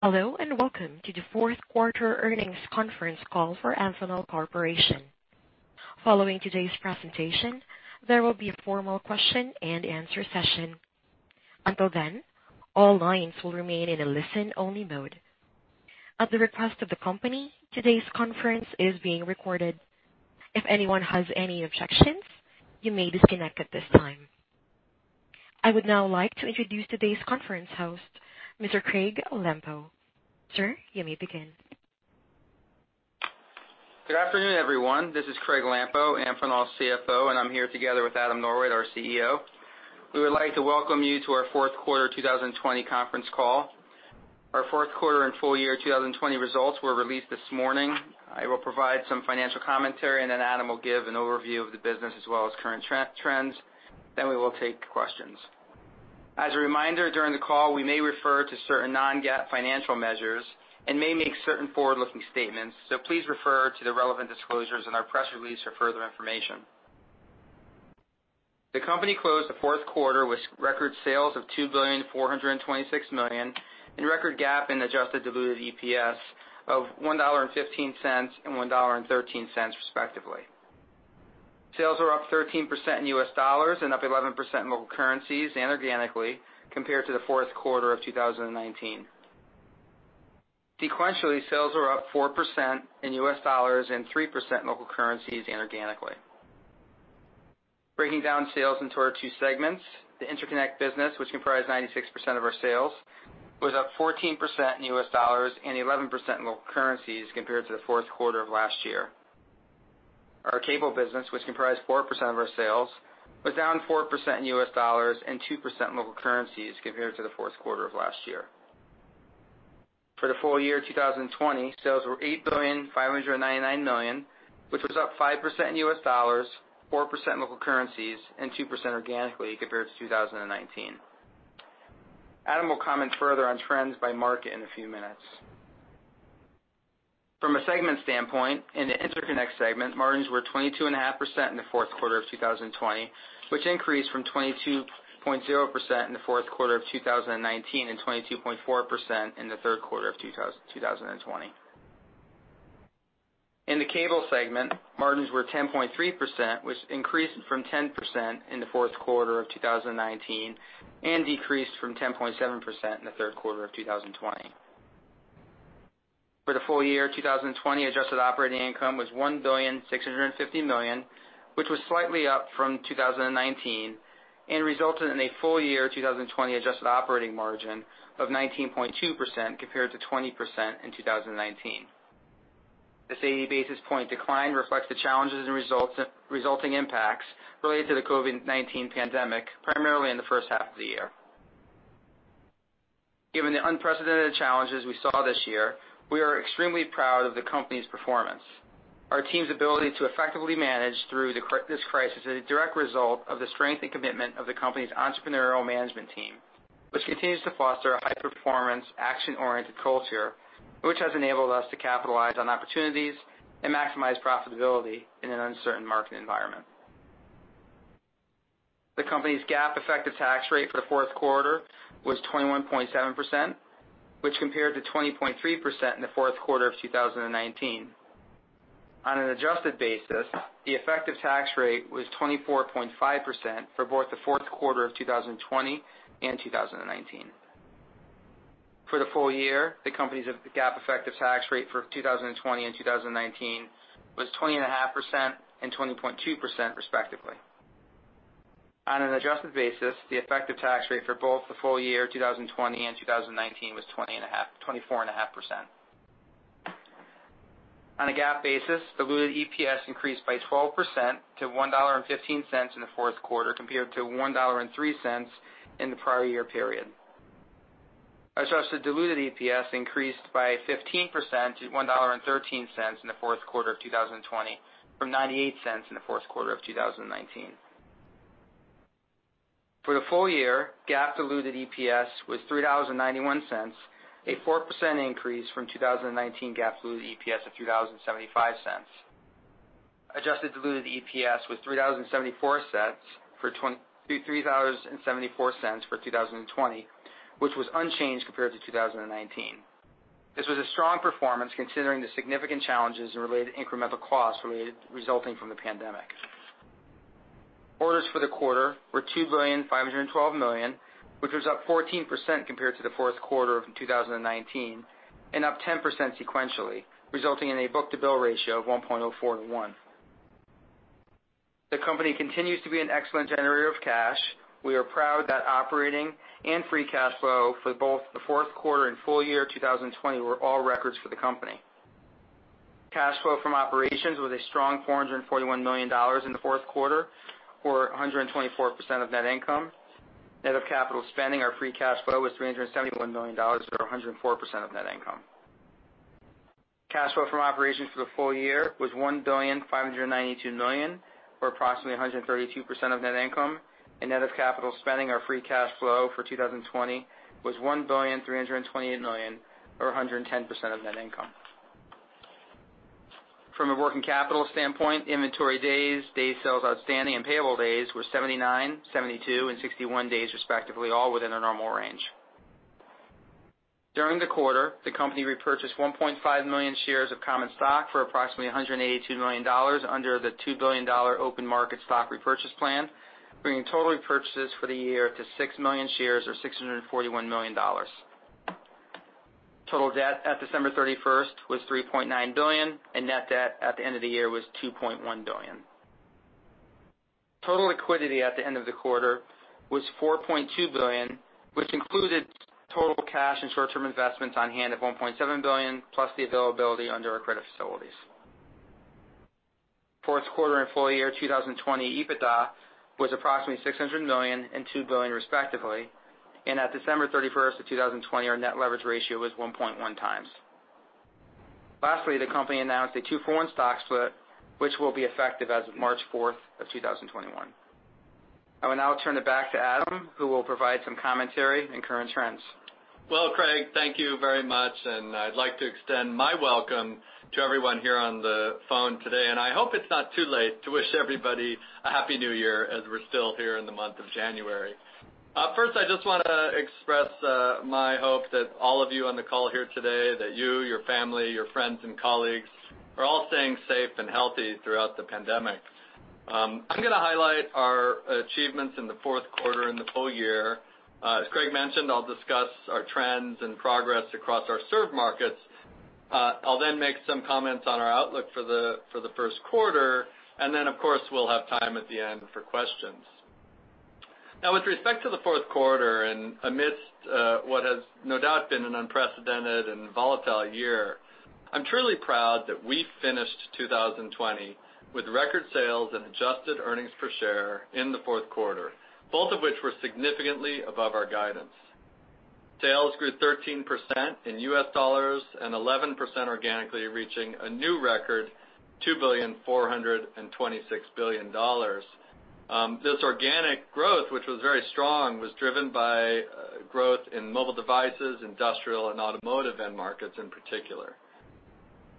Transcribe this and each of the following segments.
Hello, and welcome to the fourth quarter earnings conference call for Amphenol Corporation. Following today's presentation, there will be a formal question and answer session. Until then, all lines will remain in a listen-only mode. At the request of the company, today's conference is being recorded. If anyone has any objections, you may disconnect at this time. I would now like to introduce today's conference host, Mr. Craig Lampo. Sir, you may begin. Good afternoon, everyone. This is Craig Lampo, Amphenol's CFO. I'm here together with Adam Norwitt, our CEO. We would like to welcome you to our fourth quarter 2020 conference call. Our fourth quarter and full year 2020 results were released this morning. I will provide some financial commentary. Adam will give an overview of the business as well as current trends. We will take questions. As a reminder, during the call, we may refer to certain non-GAAP financial measures and may make certain forward-looking statements. Please refer to the relevant disclosures in our press release for further information. The company closed the fourth quarter with record sales of $2.426 billion and record GAAP and adjusted diluted EPS of $1.15 and $1.13, respectively. Sales were up 13% in US dollars and up 11% in local currencies and organically compared to the fourth quarter of 2019. Sequentially, sales were up 4% in US dollars and 3% in local currencies and organically. Breaking down sales into our two segments, the interconnect business, which comprised 96% of our sales, was up 14% in US dollars and 11% in local currencies compared to the fourth quarter of last year. Our cable business, which comprised 4% of our sales, was down 4% in US dollars and 2% in local currencies compared to the fourth quarter of last year. For the full year 2020, sales were $8,599 million, which was up 5% in US dollars, 4% in local currencies, and 2% organically compared to 2019. Adam will comment further on trends by market in a few minutes. From a segment standpoint, in the interconnect segment, margins were 22.5% in the fourth quarter of 2020, which increased from 22.0% in the fourth quarter of 2019 and 22.4% in the third quarter of 2020. In the cable segment, margins were 10.3%, which increased from 10% in the fourth quarter of 2019 and decreased from 10.7% in the third quarter of 2020. For the full year 2020, adjusted operating income was $1.65 billion, which was slightly up from 2019 and resulted in a full year 2020 adjusted operating margin of 19.2% compared to 20% in 2019. This 80 basis point decline reflects the challenges and resulting impacts related to the COVID-19 pandemic, primarily in the first half of the year. Given the unprecedented challenges we saw this year, we are extremely proud of the company's performance. Our team's ability to effectively manage through this crisis is a direct result of the strength and commitment of the company's entrepreneurial management team, which continues to foster a high-performance, action-oriented culture, which has enabled us to capitalize on opportunities and maximize profitability in an uncertain market environment. The company's GAAP effective tax rate for the fourth quarter was 21.7%, which compared to 20.3% in the fourth quarter of 2019. On an adjusted basis, the effective tax rate was 24.5% for both the fourth quarter of 2020 and 2019. For the full year, the company's GAAP effective tax rate for 2020 and 2019 was 20.5% and 20.2%, respectively. On an adjusted basis, the effective tax rate for both the full year 2020 and 2019 was 24.5%. On a GAAP basis, diluted EPS increased by 12% to $1.15 in the fourth quarter, compared to $1.03 in the prior year period. Adjusted diluted EPS increased by 15% to $1.13 in the fourth quarter of 2020 from $0.98 in the fourth quarter of 2019. For the full year, GAAP diluted EPS was $3.91, a 4% increase from 2019 GAAP diluted EPS of $3.75. Adjusted diluted EPS was $3.74 for 2020, which was unchanged compared to 2019. This was a strong performance considering the significant challenges and related incremental costs resulting from the pandemic. Orders for the quarter were $2.512 billion, which was up 14% compared to the fourth quarter of 2019 and up 10% sequentially, resulting in a book-to-bill ratio of 1.04 to 1. The company continues to be an excellent generator of cash. We are proud that operating and free cash flow for both the fourth quarter and full year 2020 were all records for the company. Cash flow from operations was a strong $441 million in the fourth quarter, or 124% of net income. Net of capital spending, our free cash flow was $371 million, or 104% of net income. Cash flow from operations for the full year was $1,592 million, or approximately 132% of net income, and net of capital spending, our free cash flow for 2020 was $1,328 million, or 110% of net income. From a working capital standpoint, inventory days, day sales outstanding, and payable days were 79, 72, and 61 days respectively, all within their normal range. During the quarter, the company repurchased 1.5 million shares of common stock for approximately $182 million under the $2 billion open market stock repurchase plan, bringing total repurchases for the year to 6 million shares or $641 million. Total debt at December 31st was $3.9 billion, and net debt at the end of the year was $2.1 billion. Total liquidity at the end of the quarter was $4.2 billion, which included total cash and short-term investments on hand of $1.7 billion, plus the availability under our credit facilities. Fourth quarter and full year 2020 EBITDA was approximately $600 million and $2 billion respectively. At December 31st of 2020, our net leverage ratio was 1.1 times. Lastly, the company announced a two-for-one stock split, which will be effective as of March 4th of 2021. I will now turn it back to Adam, who will provide some commentary and current trends. Well, Craig, thank you very much. I'd like to extend my welcome to everyone here on the phone today. I hope it's not too late to wish everybody a Happy New Year as we're still here in the month of January. First, I just want to express my hope that all of you on the call here today, that you, your family, your friends, and colleagues are all staying safe and healthy throughout the pandemic. I'm going to highlight our achievements in the fourth quarter and the full year. As Craig mentioned, I'll discuss our trends and progress across our served markets. I'll make some comments on our outlook for the first quarter. Of course, we'll have time at the end for questions. With respect to the fourth quarter and amidst what has no doubt been an unprecedented and volatile year, I'm truly proud that we finished 2020 with record sales and adjusted earnings per share in the fourth quarter, both of which were significantly above our guidance. Sales grew 13% in U.S. dollars and 11% organically, reaching a new record, $2.426 billion. This organic growth, which was very strong, was driven by growth in mobile devices, industrial, and automotive end markets in particular.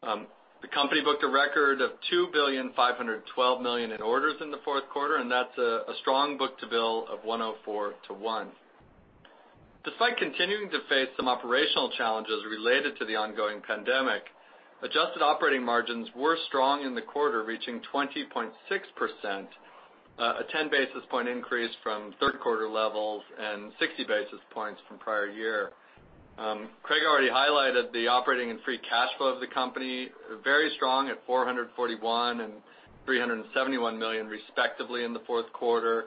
The company booked a record of $2.512 billion in orders in the fourth quarter, and that's a strong book-to-bill of 104 to one. Despite continuing to face some operational challenges related to the ongoing pandemic, adjusted operating margins were strong in the quarter, reaching 20.6%, a 10 basis point increase from third quarter levels and 60 basis points from prior year. Craig already highlighted the operating and free cash flow of the company, very strong at $441 and $371 million respectively in the fourth quarter.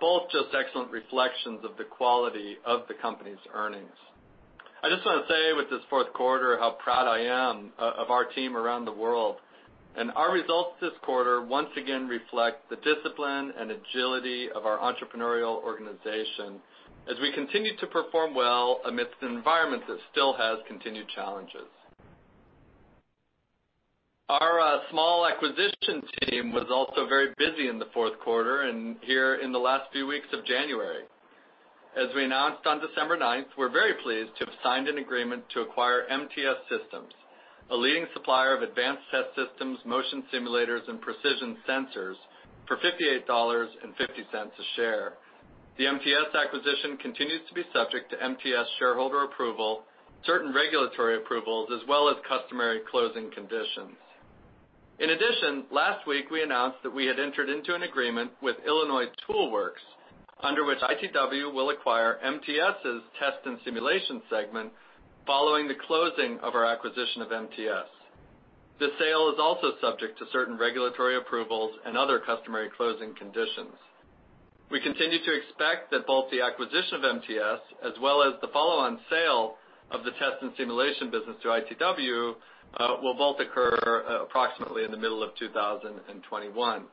Both just excellent reflections of the quality of the company's earnings. I just want to say with this fourth quarter how proud I am of our team around the world. Our results this quarter once again reflect the discipline and agility of our entrepreneurial organization as we continue to perform well amidst an environment that still has continued challenges. Our small acquisition team was also very busy in the fourth quarter and here in the last few weeks of January. As we announced on December 9th, we're very pleased to have signed an agreement to acquire MTS Systems, a leading supplier of advanced test systems, motion simulators, and precision sensors for $58.50 a share. The MTS acquisition continues to be subject to MTS shareholder approval, certain regulatory approvals, as well as customary closing conditions. Last week we announced that we had entered into an agreement with Illinois Tool Works, under which ITW will acquire MTS's test and simulation segment following the closing of our acquisition of MTS. This sale is also subject to certain regulatory approvals and other customary closing conditions. We continue to expect that both the acquisition of MTS as well as the follow-on sale of the test and simulation business to ITW will both occur approximately in the middle of 2021.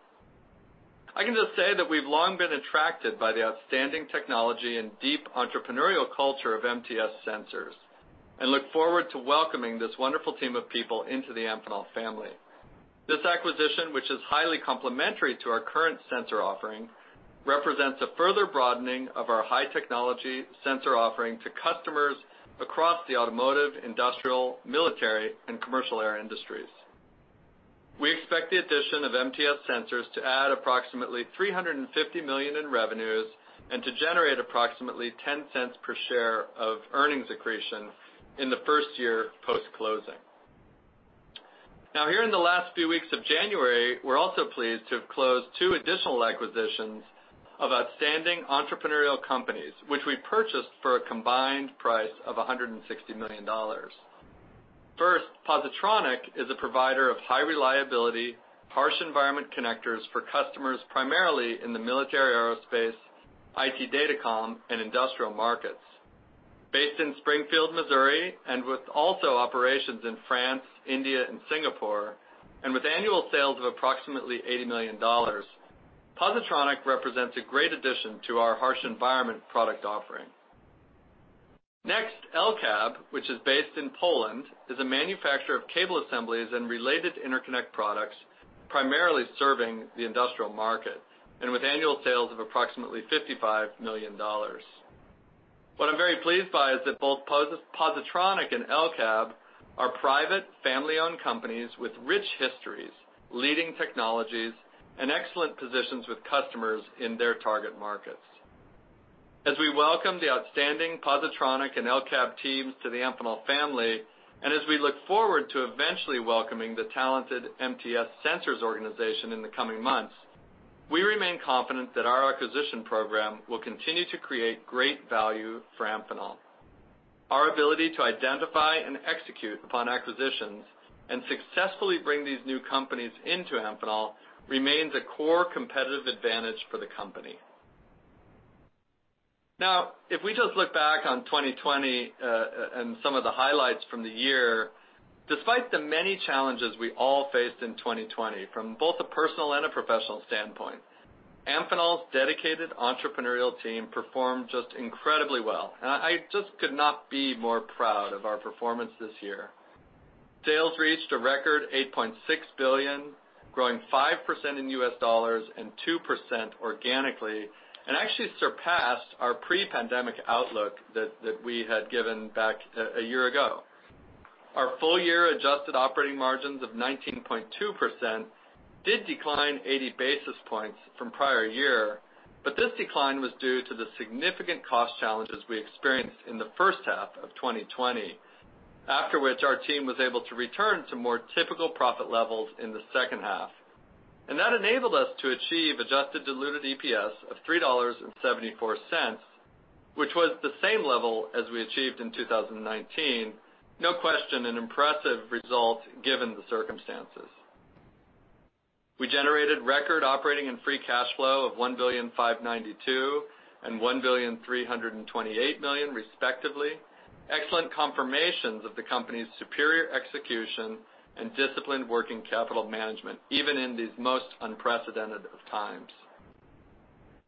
I can just say that we've long been attracted by the outstanding technology and deep entrepreneurial culture of MTS Sensors and look forward to welcoming this wonderful team of people into the Amphenol family. This acquisition, which is highly complementary to our current sensor offering, represents a further broadening of our high technology sensor offering to customers across the automotive, industrial, military, and commercial air industries. We expect the addition of MTS Sensors to add approximately $350 million in revenues and to generate approximately $0.10 per share of earnings accretion in the first year post-closing. Now, here in the last few weeks of January, we're also pleased to have closed two additional acquisitions of outstanding entrepreneurial companies, which we purchased for a combined price of $160 million. First, Positronic is a provider of high reliability, harsh environment connectors for customers primarily in the military aerospace, IT Datacom, and industrial markets. Based in Springfield, Missouri, and with also operations in France, India, and Singapore, and with annual sales of approximately $80 million, Positronic represents a great addition to our harsh environment product offering. Next, El-Cab, which is based in Poland, is a manufacturer of cable assemblies and related interconnect products, primarily serving the industrial market, and with annual sales of approximately $55 million. What I'm very pleased by is that both Positronic and El-Cab are private family-owned companies with rich histories, leading technologies, and excellent positions with customers in their target markets. As we welcome the outstanding Positronic and El-Cab teams to the Amphenol family, and as we look forward to eventually welcoming the talented MTS Sensors organization in the coming months, we remain confident that our acquisition program will continue to create great value for Amphenol. Our ability to identify and execute upon acquisitions and successfully bring these new companies into Amphenol remains a core competitive advantage for the company. If we just look back on 2020, and some of the highlights from the year, despite the many challenges we all faced in 2020, from both a personal and a professional standpoint, Amphenol's dedicated entrepreneurial team performed just incredibly well. I just could not be more proud of our performance this year. Sales reached a record $8.6 billion, growing 5% in US dollars and 2% organically, and actually surpassed our pre-pandemic outlook that we had given back a year ago. Our full year adjusted operating margins of 19.2% did decline 80 basis points from prior year, but this decline was due to the significant cost challenges we experienced in the first half of 2020, after which our team was able to return to more typical profit levels in the second half. That enabled us to achieve adjusted diluted EPS of $3.74, which was the same level as we achieved in 2019. No question, an impressive result given the circumstances. We generated record operating and free cash flow of $1.592 billion and $1.328 billion, respectively, excellent confirmations of the company's superior execution and disciplined working capital management, even in these most unprecedented of times.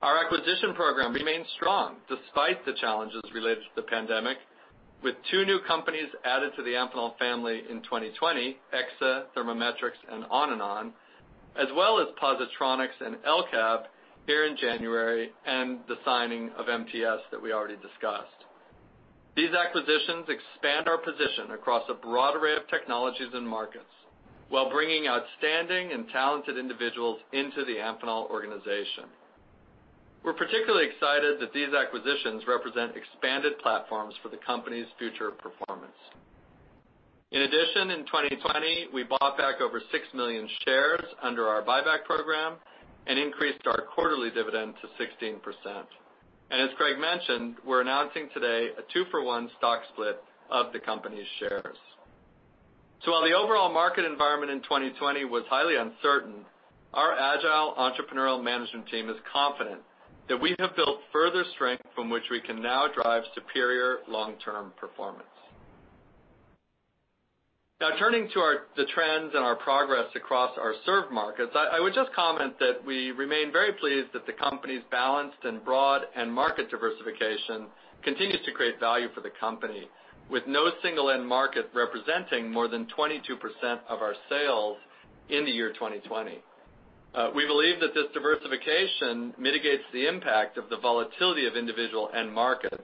Our acquisition program remains strong despite the challenges related to the pandemic, with two new companies added to the Amphenol family in 2020, EXA Thermometrics, and Onanon, as well as Positronic and El-Cab here in January, and the signing of MTS that we already discussed. These acquisitions expand our position across a broad array of technologies and markets while bringing outstanding and talented individuals into the Amphenol organization. We're particularly excited that these acquisitions represent expanded platforms for the company's future performance. In addition, in 2020, we bought back over six million shares under our buyback program and increased our quarterly dividend to 16%. As Craig mentioned, we're announcing today 2:1 stock split of the company's shares. While the overall market environment in 2020 was highly uncertain, our agile entrepreneurial management team is confident that we have built further strength from which we can now drive superior long-term performance. Now turning to the trends and our progress across our served markets, I would just comment that we remain very pleased that the company's balanced and broad, and market diversification continues to create value for the company, with no single end market representing more than 22% of our sales in the year 2020. We believe that this diversification mitigates the impact of the volatility of individual end markets.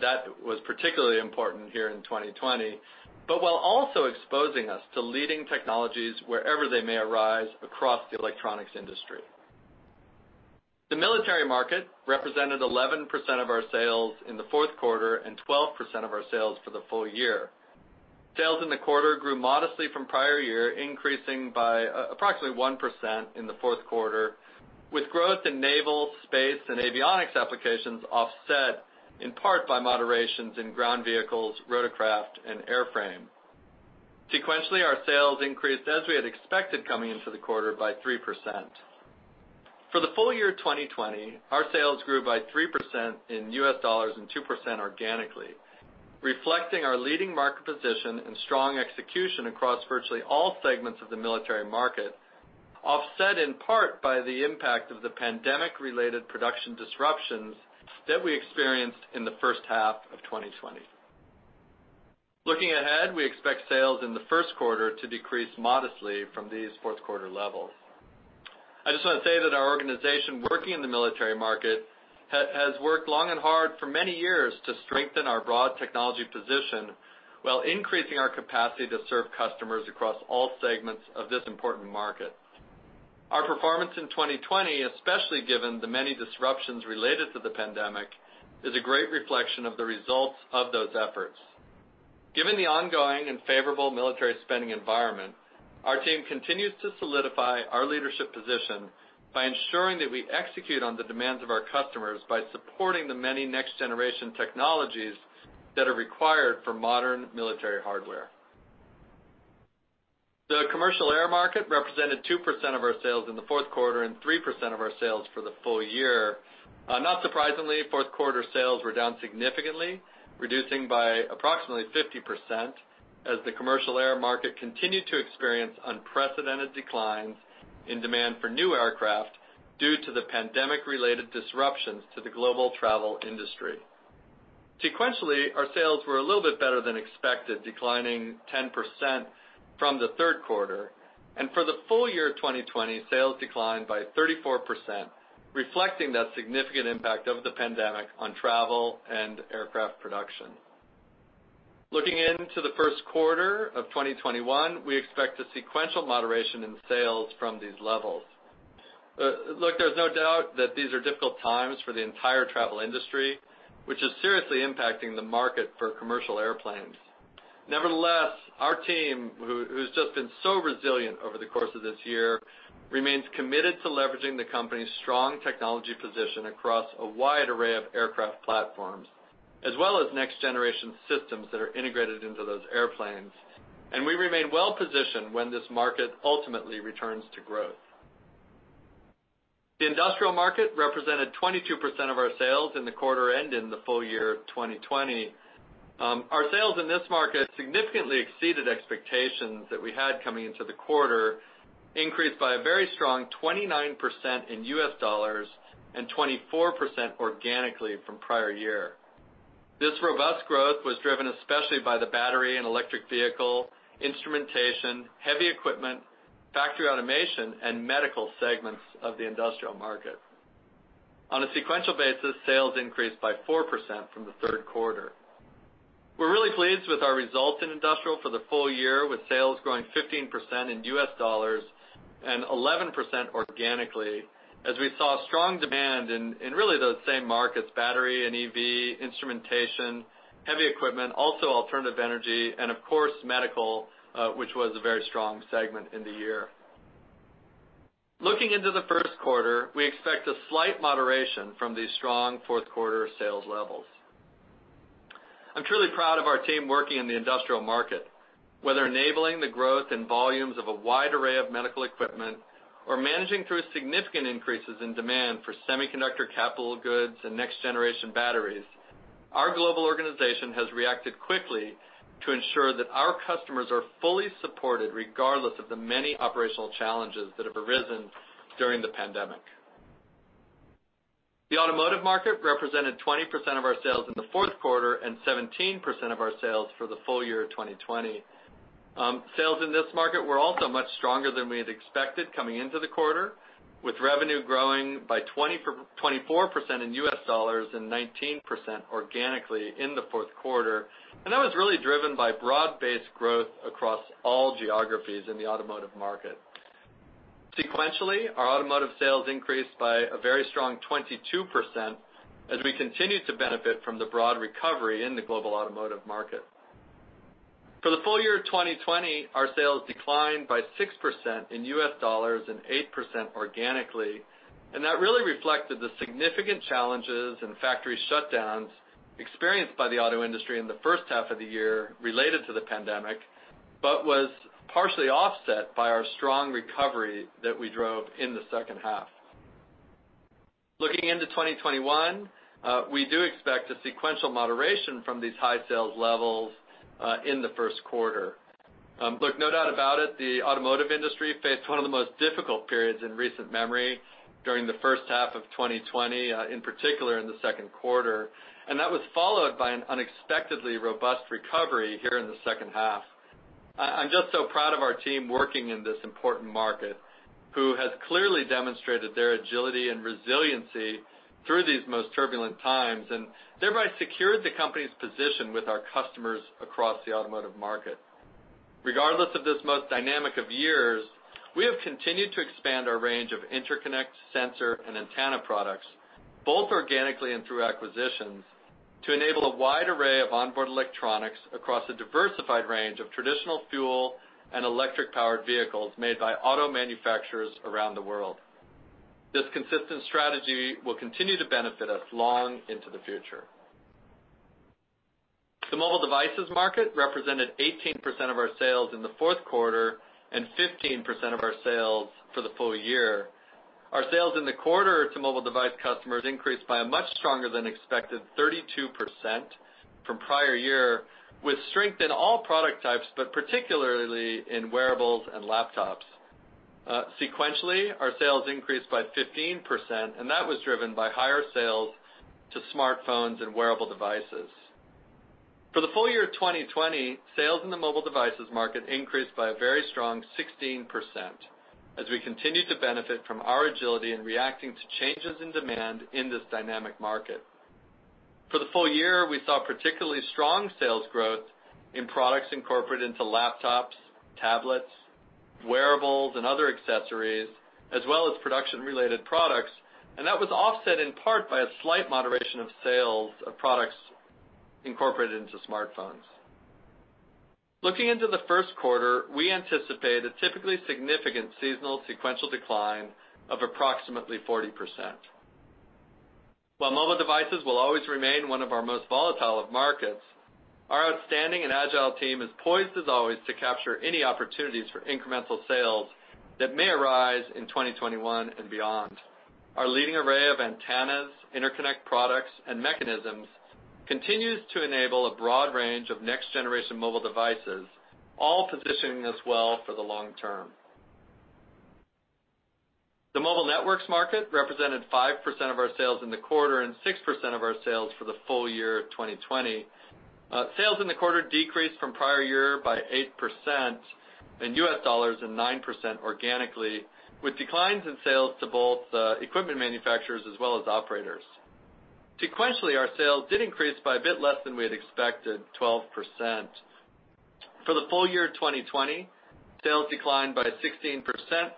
That was particularly important here in 2020. While also exposing us to leading technologies wherever they may arise across the electronics industry. The military market represented 11% of our sales in the fourth quarter and 12% of our sales for the full year. Sales in the quarter grew modestly from prior year, increasing by approximately 1% in the fourth quarter, with growth in naval, space, and avionics applications offset in part by moderations in ground vehicles, rotorcraft, and airframe. Sequentially, our sales increased as we had expected coming into the quarter by 3%. For the full year 2020, our sales grew by 3% in US dollars and 2% organically, reflecting our leading market position and strong execution across virtually all segments of the military market, offset in part by the impact of the pandemic-related production disruptions that we experienced in the first half of 2020. Looking ahead, we expect sales in the first quarter to decrease modestly from these fourth quarter levels. I just want to say that our organization working in the military market has worked long and hard for many years to strengthen our broad technology position while increasing our capacity to serve customers across all segments of this important market. Our performance in 2020, especially given the many disruptions related to the pandemic, is a great reflection of the results of those efforts. Given the ongoing and favorable military spending environment, our team continues to solidify our leadership position by ensuring that we execute on the demands of our customers by supporting the many next-generation technologies that are required for modern military hardware. The commercial air market represented 2% of our sales in the fourth quarter and 3% of our sales for the full year. Not surprisingly, fourth quarter sales were down significantly, reducing by approximately 50% as the commercial air market continued to experience unprecedented declines in demand for new aircraft due to the pandemic-related disruptions to the global travel industry. Sequentially, our sales were a little bit better than expected, declining 10% from the third quarter. For the full year of 2020, sales declined by 34%, reflecting that significant impact of the pandemic on travel and aircraft production. Looking into the first quarter of 2021, we expect a sequential moderation in sales from these levels. Look, there's no doubt that these are difficult times for the entire travel industry, which is seriously impacting the market for commercial airplanes. Nevertheless, our team, who's just been so resilient over the course of this year, remains committed to leveraging the company's strong technology position across a wide array of aircraft platforms, as well as next-generation systems that are integrated into those airplanes. We remain well-positioned when this market ultimately returns to growth. The industrial market represented 22% of our sales in the quarter and in the full year of 2020. Our sales in this market significantly exceeded expectations that we had coming into the quarter, increased by a very strong 29% in US dollars and 24% organically from prior year. This robust growth was driven especially by the battery and electric vehicle, instrumentation, heavy equipment, factory automation, and medical segments of the industrial market. On a sequential basis, sales increased by 4% from the third quarter. We're really pleased with our results in industrial for the full year, with sales growing 15% in U.S. dollars and 11% organically as we saw strong demand in really those same markets, battery and EV, instrumentation, heavy equipment, also alternative energy, and of course, medical, which was a very strong segment in the year. Looking into the first quarter, we expect a slight moderation from these strong fourth quarter sales levels. I'm truly proud of our team working in the industrial market, whether enabling the growth and volumes of a wide array of medical equipment or managing through significant increases in demand for semiconductor capital goods and next-generation batteries. Our global organization has reacted quickly to ensure that our customers are fully supported, regardless of the many operational challenges that have arisen during the pandemic. The automotive market represented 20% of our sales in the fourth quarter and 17% of our sales for the full year of 2020. Sales in this market were also much stronger than we had expected coming into the quarter, with revenue growing by 24% in US dollars and 19% organically in the fourth quarter. That was really driven by broad-based growth across all geographies in the automotive market. Sequentially, our automotive sales increased by a very strong 22% as we continue to benefit from the broad recovery in the global automotive market. For the full year of 2020, our sales declined by 6% in US dollars and 8% organically, and that really reflected the significant challenges and factory shutdowns experienced by the auto industry in the first half of the year related to the pandemic, but was partially offset by our strong recovery that we drove in the second half. Looking into 2021, we do expect a sequential moderation from these high sales levels in the first quarter. Look, no doubt about it, the automotive industry faced one of the most difficult periods in recent memory during the first half of 2020, in particular in the second quarter, and that was followed by an unexpectedly robust recovery here in the second half. I'm just so proud of our team working in this important market, who has clearly demonstrated their agility and resiliency through these most turbulent times, and thereby secured the company's position with our customers across the automotive market. Regardless of this most dynamic of years, we have continued to expand our range of interconnect, sensor, and antenna products, both organically and through acquisitions, to enable a wide array of onboard electronics across a diversified range of traditional fuel and electric-powered vehicles made by auto manufacturers around the world. This consistent strategy will continue to benefit us long into the future. The mobile devices market represented 18% of our sales in the fourth quarter and 15% of our sales for the full year. Our sales in the quarter to mobile device customers increased by a much stronger than expected 32% from prior year, with strength in all product types, but particularly in wearables and laptops. That was driven by higher sales to smartphones and wearable devices. For the full year of 2020, sales in the mobile devices market increased by a very strong 16% as we continued to benefit from our agility in reacting to changes in demand in this dynamic market. For the full year, we saw particularly strong sales growth in products incorporated into laptops, tablets, wearables, and other accessories, as well as production-related products. That was offset in part by a slight moderation of sales of products incorporated into smartphones. Looking into the first quarter, we anticipate a typically significant seasonal sequential decline of approximately 40%. While mobile devices will always remain one of our most volatile of markets, our outstanding and agile team is poised as always to capture any opportunities for incremental sales that may arise in 2021 and beyond. Our leading array of antennas, interconnect products, and mechanisms continues to enable a broad range of next-generation mobile devices, all positioning us well for the long term. The mobile networks market represented 5% of our sales in the quarter and 6% of our sales for the full year of 2020. Sales in the quarter decreased from prior year by 8% in U.S. dollars and 9% organically, with declines in sales to both equipment manufacturers as well as operators. Sequentially, our sales did increase by a bit less than we had expected, 12%. For the full year 2020, sales declined by 16%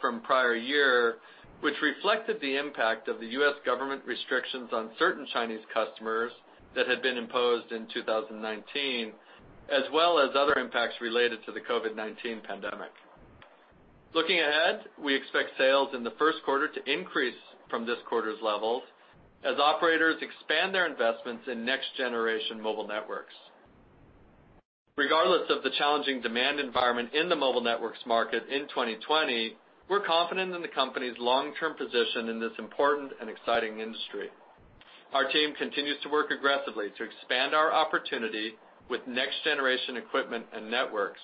from prior year, which reflected the impact of the U.S. government restrictions on certain Chinese customers that had been imposed in 2019, as well as other impacts related to the COVID-19 pandemic. Looking ahead, we expect sales in the first quarter to increase from this quarter's levels as operators expand their investments in next-generation mobile networks. Regardless of the challenging demand environment in the mobile networks market in 2020, we're confident in the company's long-term position in this important and exciting industry. Our team continues to work aggressively to expand our opportunity with next-generation equipment and networks.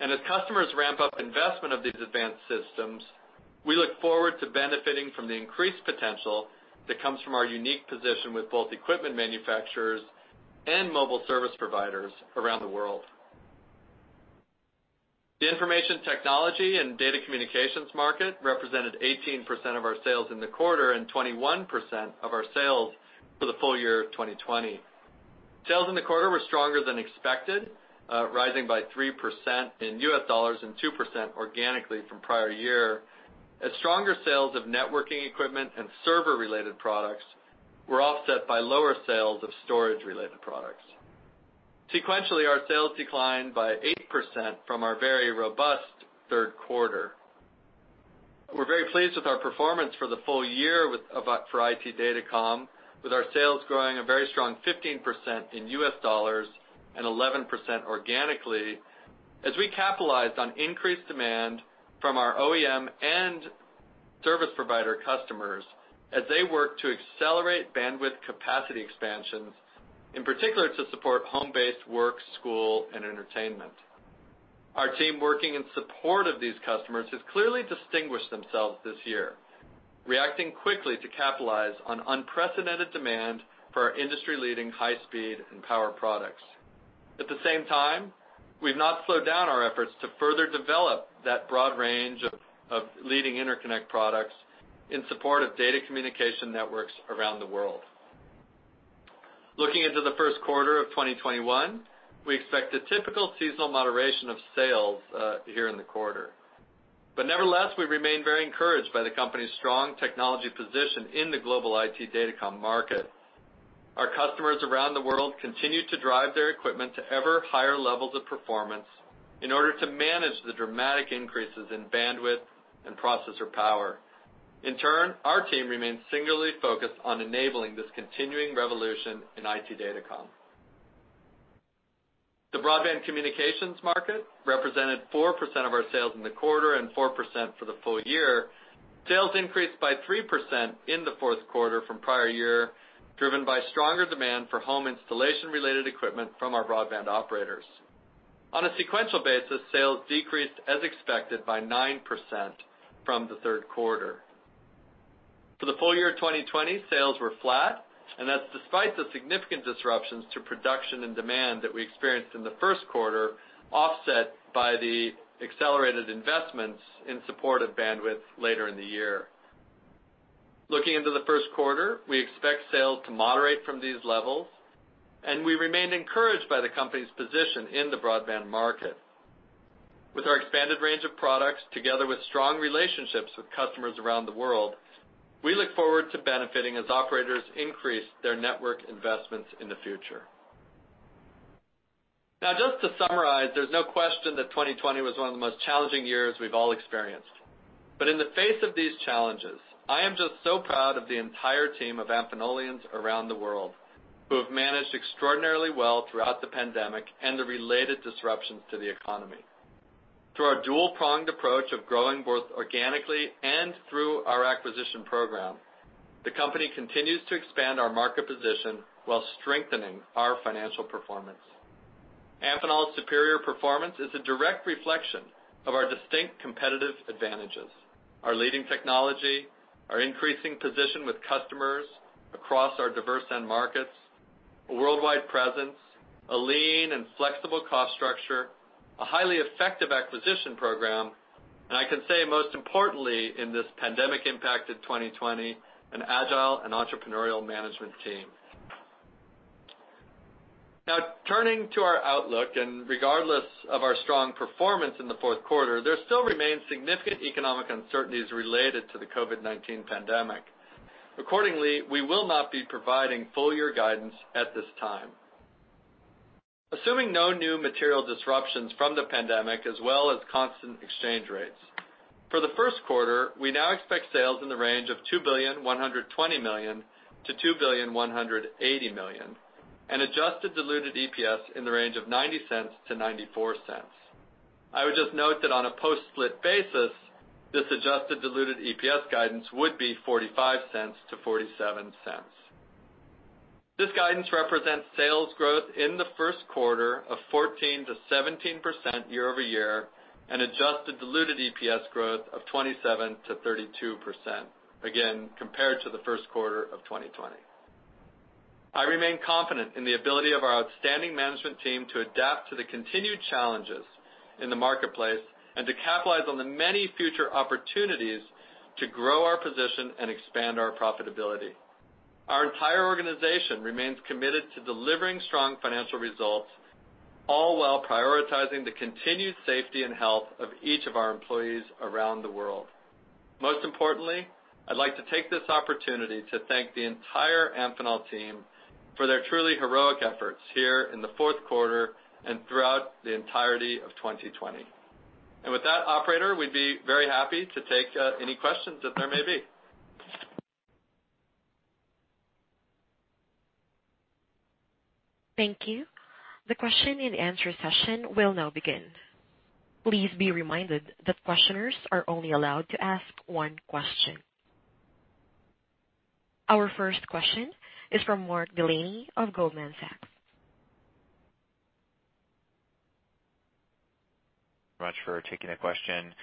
As customers ramp up investment of these advanced systems, we look forward to benefiting from the increased potential that comes from our unique position with both equipment manufacturers and mobile service providers around the world. The information technology and data communications market represented 18% of our sales in the quarter and 21% of our sales for the full year of 2020. Sales in the quarter were stronger than expected, rising by 3% in USD and 2% organically from prior year, as stronger sales of networking equipment and server-related products were offset by lower sales of storage-related products. Sequentially, our sales declined by 8% from our very robust third quarter. We're very pleased with our performance for the full year for IT Datacom, with our sales growing a very strong 15% in USD and 11% organically as we capitalized on increased demand from our OEM and service provider customers as they work to accelerate bandwidth capacity expansions, in particular to support home-based work, school, and entertainment. Our team working in support of these customers has clearly distinguished themselves this year, reacting quickly to capitalize on unprecedented demand for our industry-leading high-speed and power products. We've not slowed down our efforts to further develop that broad range of leading interconnect products in support of data communication networks around the world. Looking into the first quarter of 2021, we expect a typical seasonal moderation of sales here in the quarter. We remain very encouraged by the company's strong technology position in the global IT Datacom market. Our customers around the world continue to drive their equipment to ever-higher levels of performance in order to manage the dramatic increases in bandwidth and processor power. Our team remains singularly focused on enabling this continuing revolution in IT Datacom. The broadband communications market represented 4% of our sales in the quarter and 4% for the full year. Sales increased by 3% in the fourth quarter from prior year, driven by stronger demand for home installation-related equipment from our broadband operators. On a sequential basis, sales decreased as expected by 9% from the third quarter. For the full year 2020, sales were flat. That's despite the significant disruptions to production and demand that we experienced in the first quarter, offset by the accelerated investments in support of bandwidth later in the year. Looking into the first quarter, we expect sales to moderate from these levels. We remain encouraged by the company's position in the broadband market. With our expanded range of products, together with strong relationships with customers around the world, we look forward to benefiting as operators increase their network investments in the future. Just to summarize, there's no question that 2020 was one of the most challenging years we've all experienced. In the face of these challenges, I am just so proud of the entire team of Amphenolians around the world who have managed extraordinarily well throughout the pandemic and the related disruptions to the economy. Through our dual-pronged approach of growing both organically and through our acquisition program, the company continues to expand our market position while strengthening our financial performance. Amphenol's superior performance is a direct reflection of our distinct competitive advantages, our leading technology, our increasing position with customers across our diverse end markets, a worldwide presence, a lean and flexible cost structure, a highly effective acquisition program, and I can say most importantly in this pandemic-impacted 2020, an agile and entrepreneurial management team. Turning to our outlook, regardless of our strong performance in the fourth quarter, there still remains significant economic uncertainties related to the COVID-19 pandemic. We will not be providing full year guidance at this time. Assuming no new material disruptions from the pandemic as well as constant exchange rates, for the first quarter, we now expect sales in the range of $2.12 billion-$2.18 billion, and adjusted diluted EPS in the range of $0.90-$0.94. I would just note that on a post-split basis, this adjusted diluted EPS guidance would be $0.45-$0.47. This guidance represents sales growth in the first quarter of 14%-17% year-over-year, and adjusted diluted EPS growth of 27%-32%, again, compared to the first quarter of 2020. I remain confident in the ability of our outstanding management team to adapt to the continued challenges in the marketplace and to capitalize on the many future opportunities to grow our position and expand our profitability. Our entire organization remains committed to delivering strong financial results, all while prioritizing the continued safety and health of each of our employees around the world. Most importantly, I'd like to take this opportunity to thank the entire Amphenol team for their truly heroic efforts here in the fourth quarter and throughout the entirety of 2020. With that, operator, we'd be very happy to take any questions that there may be. Thank you. The question and answer session will now begin. Please be reminded that questioners are only allowed to ask one question. Our first question is from Mark Delaney of Goldman Sachs. much for taking the question.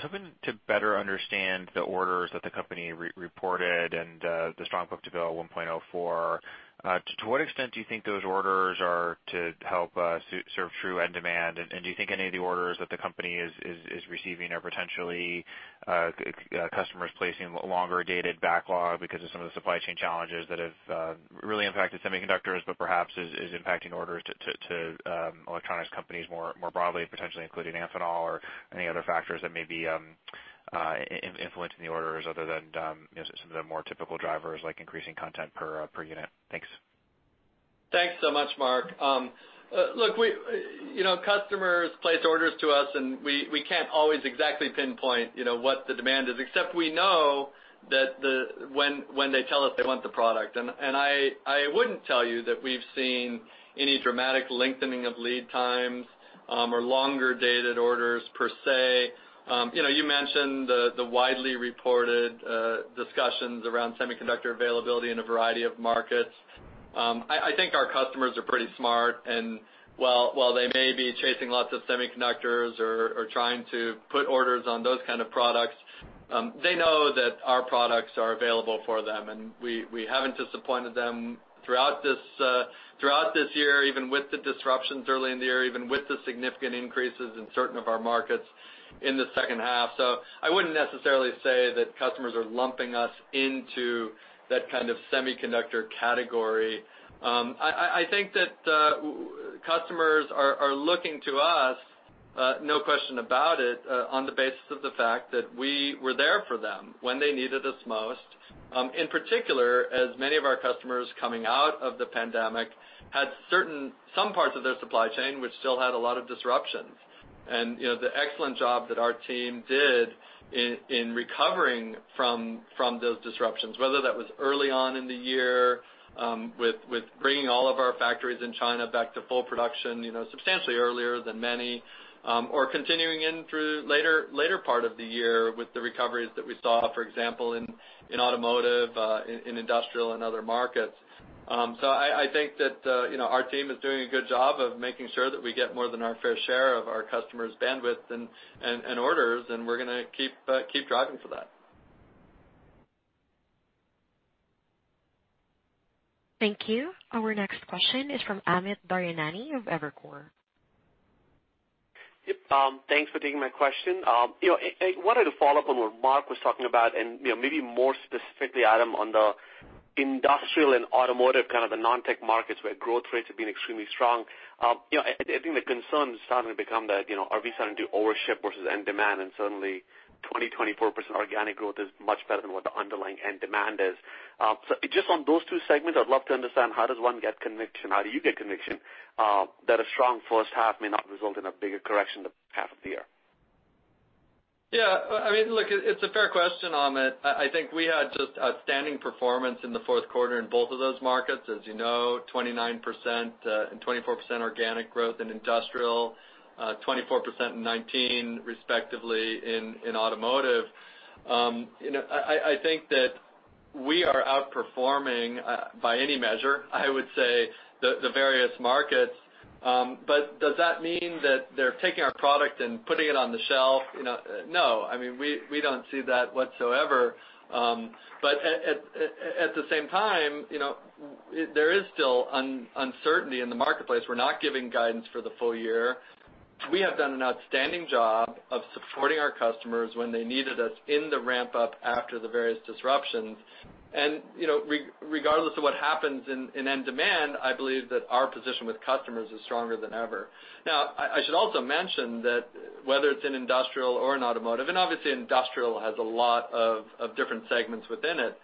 Something to better understand the orders that the company reported and the strong book-to-bill 1.04, to what extent do you think those orders are to help serve true end demand? Do you think any of the orders that the company is receiving are potentially customers placing longer dated backlog because of some of the supply chain challenges that have really impacted semiconductors, but perhaps is impacting orders to electronics companies more broadly, potentially including Amphenol, or any other factors that may be influencing the orders other than some of the more typical drivers, like increasing content per unit? Thanks. Thanks so much, Mark. Look, customers place orders to us, and we can't always exactly pinpoint what the demand is, except we know when they tell us they want the product. I wouldn't tell you that we've seen any dramatic lengthening of lead times or longer dated orders per se. You mentioned the widely reported discussions around semiconductor availability in a variety of markets. I think our customers are pretty smart, and while they may be chasing lots of semiconductors or trying to put orders on those kind of products, they know that our products are available for them, and we haven't disappointed them throughout this year, even with the disruptions early in the year, even with the significant increases in certain of our markets in the second half. I wouldn't necessarily say that customers are lumping us into that kind of semiconductor category. I think that customers are looking to us, no question about it, on the basis of the fact that we were there for them when they needed us most. In particular, as many of our customers coming out of the pandemic had some parts of their supply chain which still had a lot of disruptions. The excellent job that our team did in recovering from those disruptions, whether that was early on in the year with bringing all of our factories in China back to full production substantially earlier than many, or continuing in through later part of the year with the recoveries that we saw, for example, in automotive, in industrial and other markets. I think that our team is doing a good job of making sure that we get more than our fair share of our customers' bandwidth and orders, and we're going to keep driving for that. Thank you. Our next question is from Amit Daryanani of Evercore. Yep. Thanks for taking my question. I wanted to follow up on what Mark was talking about and maybe more specifically, Adam, on the industrial and automotive kind of the non-tech markets where growth rates have been extremely strong. I think the concern is starting to become that are we starting to over ship versus end demand, and suddenly 20%, 24% organic growth is much better than what the underlying end demand is. Just on those two segments, I'd love to understand how does one get conviction? How do you get conviction that a strong first half may not result in a bigger correction the second half of the year? Yeah. Look, it's a fair question, Amit. I think we had just outstanding performance in the fourth quarter in both of those markets. As you know, 29% and 24% organic growth in industrial, 24% and 19% respectively in automotive. Does that mean that they're taking our product and putting it on the shelf? No. We don't see that whatsoever. At the same time, there is still uncertainty in the marketplace. We're not giving guidance for the full year. We have done an outstanding job of supporting our customers when they needed us in the ramp-up after the various disruptions. Regardless of what happens in end demand, I believe that our position with customers is stronger than ever. I should also mention that whether it's in industrial or in automotive, and obviously industrial has a lot of different segments within it,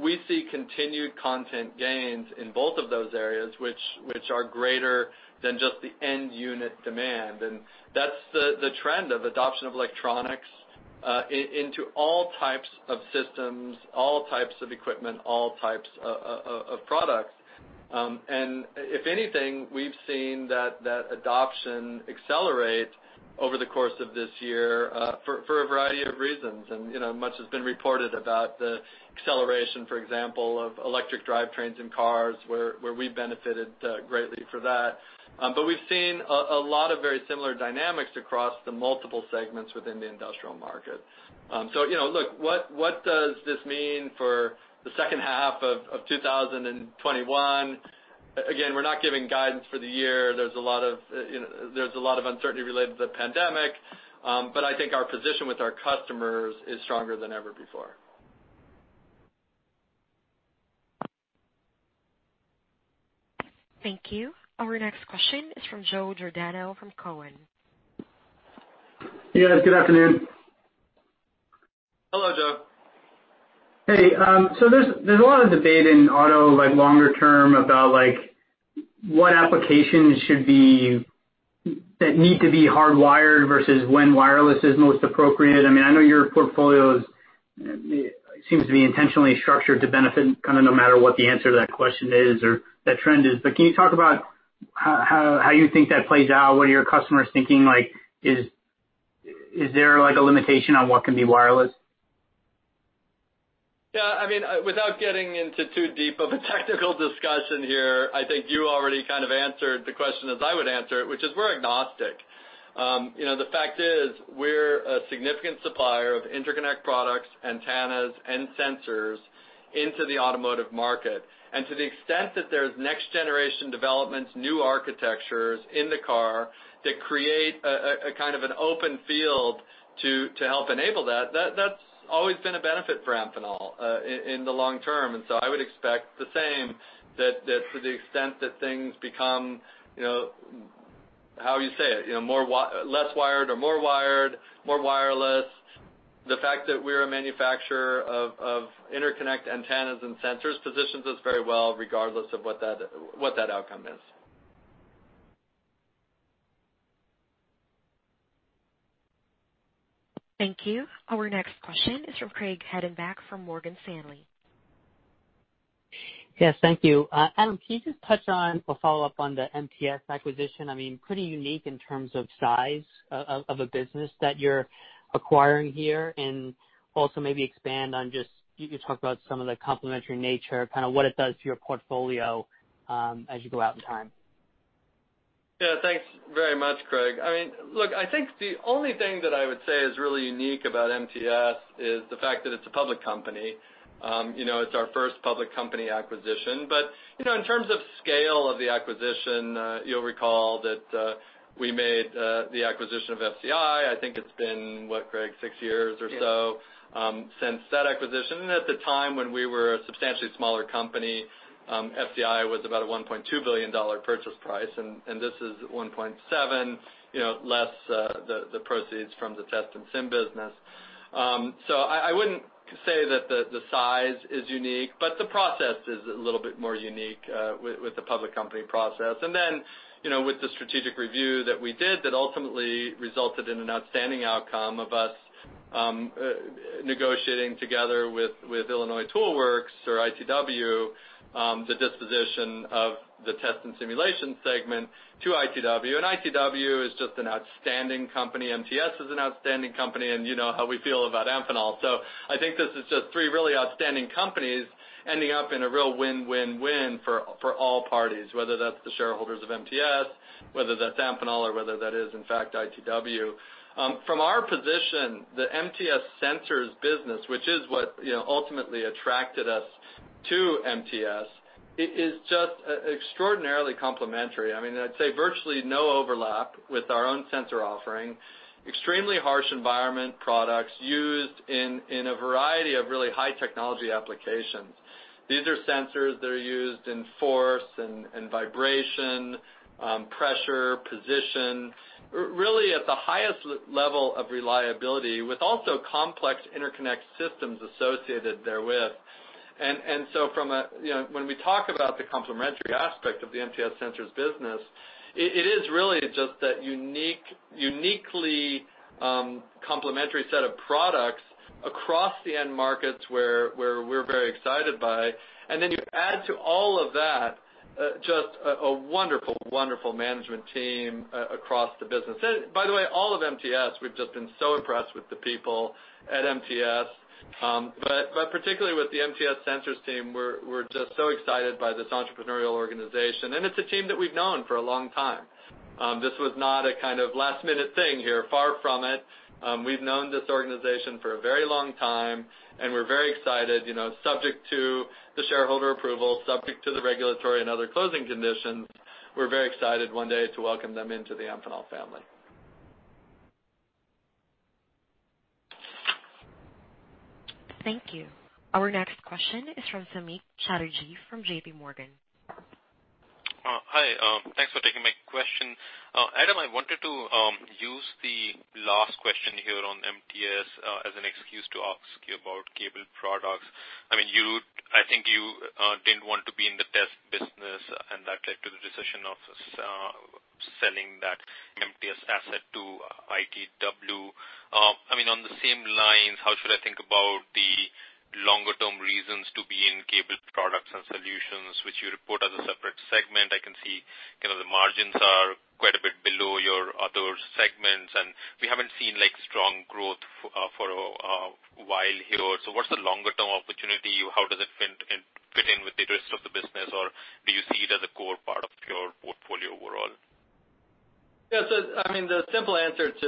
we see continued content gains in both of those areas, which are greater than just the end unit demand. That's the trend of adoption of electronics into all types of systems, all types of equipment, all types of products. If anything, we've seen that adoption accelerate over the course of this year for a variety of reasons. Much has been reported about the acceleration, for example, of electric drivetrains in cars, where we benefited greatly for that. We've seen a lot of very similar dynamics across the multiple segments within the industrial market. Look, what does this mean for the second half of 2021? Again, we're not giving guidance for the year. There's a lot of uncertainty related to the pandemic. I think our position with our customers is stronger than ever before. Thank you. Our next question is from Joe Giordano from Cowen. Yes, good afternoon. Hello, Joe. There's a lot of debate in auto, longer-term, about what applications should be that need to be hardwired versus when wireless is most appropriate. I know your portfolio seems to be intentionally structured to benefit kind of no matter what the answer to that question is or that trend is. Can you talk about how you think that plays out? What are your customers thinking? Is there a limitation on what can be wireless? Yeah, without getting into too deep of a technical discussion here, I think you already kind of answered the question as I would answer it, which is we're agnostic. The fact is, we're a significant supplier of interconnect products, antennas, and sensors into the automotive market. To the extent that there's next-generation developments, new architectures in the car that create a kind of an open field to help enable that's always been a benefit for Amphenol in the long term. I would expect the same, that to the extent that things become, how you say it, less wired or more wired, more wireless, the fact that we're a manufacturer of interconnect antennas and sensors positions us very well regardless of what that outcome is. Thank you. Our next question is from Craig Hettenbach from Morgan Stanley. Yes, thank you. Adam, can you just touch on a follow-up on the MTS acquisition? Pretty unique in terms of size of a business that you're acquiring here. Also maybe expand on just, you could talk about some of the complementary nature, kind of what it does to your portfolio as you go out in time. Yeah. Thanks very much, Craig. I think the only thing that I would say is really unique about MTS is the fact that it's a public company. It's our first public company acquisition. In terms of scale of the acquisition, you'll recall that we made the acquisition of FCI, I think it's been, what, Craig, six years or so. Yeah. Since that acquisition. At the time when we were a substantially smaller company, FCI was about a $1.2 billion purchase price, and this is $1.7 billion, less the proceeds from the test and SIM business. I wouldn't say that the size is unique, but the process is a little bit more unique with the public company process. With the strategic review that we did that ultimately resulted in an outstanding outcome of us negotiating together with Illinois Tool Works or ITW, the disposition of the test and simulation segment to ITW. ITW is just an outstanding company. MTS is an outstanding company, and you know how we feel about Amphenol. I think this is just three really outstanding companies ending up in a real win-win-win for all parties, whether that's the shareholders of MTS, whether that's Amphenol, or whether that is, in fact, ITW. From our position, the MTS Sensors business, which is what ultimately attracted us to MTS, it is just extraordinarily complementary. I'd say virtually no overlap with our own sensor offering. Extremely harsh environment products used in a variety of really high-technology applications. These are sensors that are used in force and vibration, pressure, position, really at the highest level of reliability, with also complex interconnect systems associated therewith. So when we talk about the complementary aspect of the MTS Sensors business, it is really just that uniquely complementary set of products across the end markets where we're very excited by. Then you add to all of that just a wonderful management team across the business. By the way, all of MTS, we've just been so impressed with the people at MTS. Particularly with the MTS Sensors team, we're just so excited by this entrepreneurial organization, and it's a team that we've known for a long time. This was not a kind of last-minute thing here, far from it. We've known this organization for a very long time, and we're very excited, subject to the shareholder approval, subject to the regulatory and other closing conditions, we're very excited one day to welcome them into the Amphenol family. Thank you. Our next question is from Samik Chatterjee from JPMorgan. Hi, thanks for taking my question. Adam, I wanted to use the last question here on MTS as an excuse to ask you about cable products. I think you didn't want to be in the test business, and that led to the decision of Selling that MTS asset to ITW. On the same lines, how should I think about the longer-term reasons to be in cable products and solutions, which you report as a separate segment? I can see the margins are quite a bit below your other segments, and we haven't seen strong growth for a while here. What's the longer-term opportunity? How does it fit in with the rest of the business? Do you see it as a core part of your portfolio overall? Yeah. The simple answer to,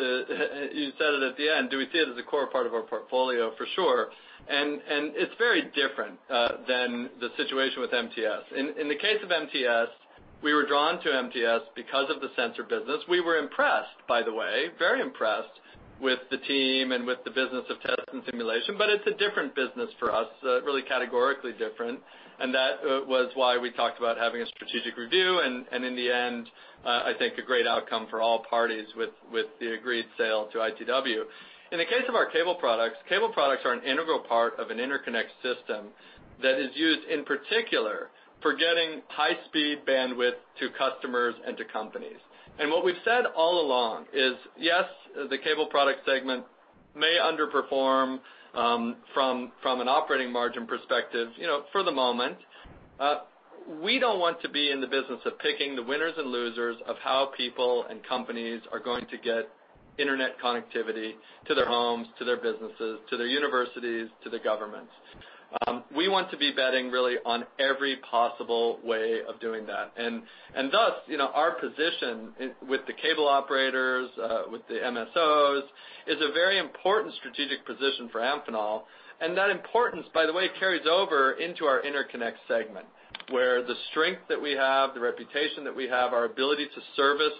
you said it at the end, do we see it as a core part of our portfolio? For sure. It's very different than the situation with MTS. In the case of MTS, we were drawn to MTS because of the sensor business. We were impressed, by the way, very impressed with the team and with the business of test and simulation, but it's a different business for us, really categorically different, and that was why we talked about having a strategic review and, in the end, I think a great outcome for all parties with the agreed sale to ITW. In the case of our cable products, cable products are an integral part of an interconnect system that is used, in particular, for getting high-speed bandwidth to customers and to companies. What we've said all along is, yes, the cable product segment may underperform, from an operating margin perspective, for the moment. We don't want to be in the business of picking the winners and losers of how people and companies are going to get internet connectivity to their homes, to their businesses, to their universities, to the governments. We want to be betting really on every possible way of doing that. Thus, our position with the cable operators, with the MSOs, is a very important strategic position for Amphenol. That importance, by the way, carries over into our interconnect segment, where the strength that we have, the reputation that we have, our ability to service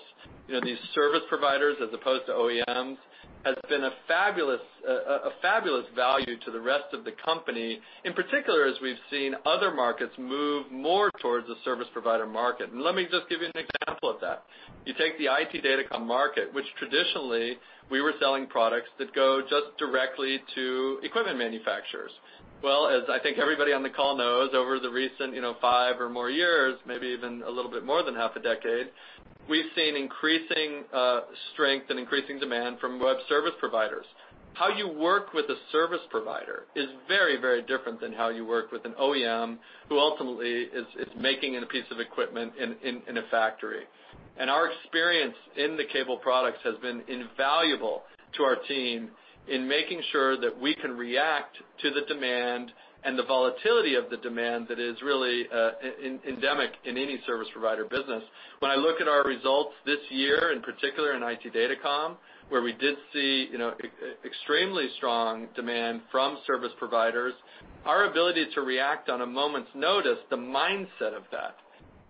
these service providers as opposed to OEMs, has been a fabulous value to the rest of the company, in particular, as we've seen other markets move more towards the service provider market. Let me just give you an example of that. You take the IT Datacom market, which traditionally we were selling products that go just directly to equipment manufacturers. Well, as I think everybody on the call knows, over the recent five or more years, maybe even a little bit more than half a decade, we've seen increasing strength and increasing demand from web service providers. How you work with a service provider is very different than how you work with an OEM who ultimately is making a piece of equipment in a factory. Our experience in the cable products has been invaluable to our team in making sure that we can react to the demand and the volatility of the demand that is really endemic in any service provider business. When I look at our results this year, in particular in IT Datacom, where we did see extremely strong demand from service providers, our ability to react on a moment's notice, the mindset of that,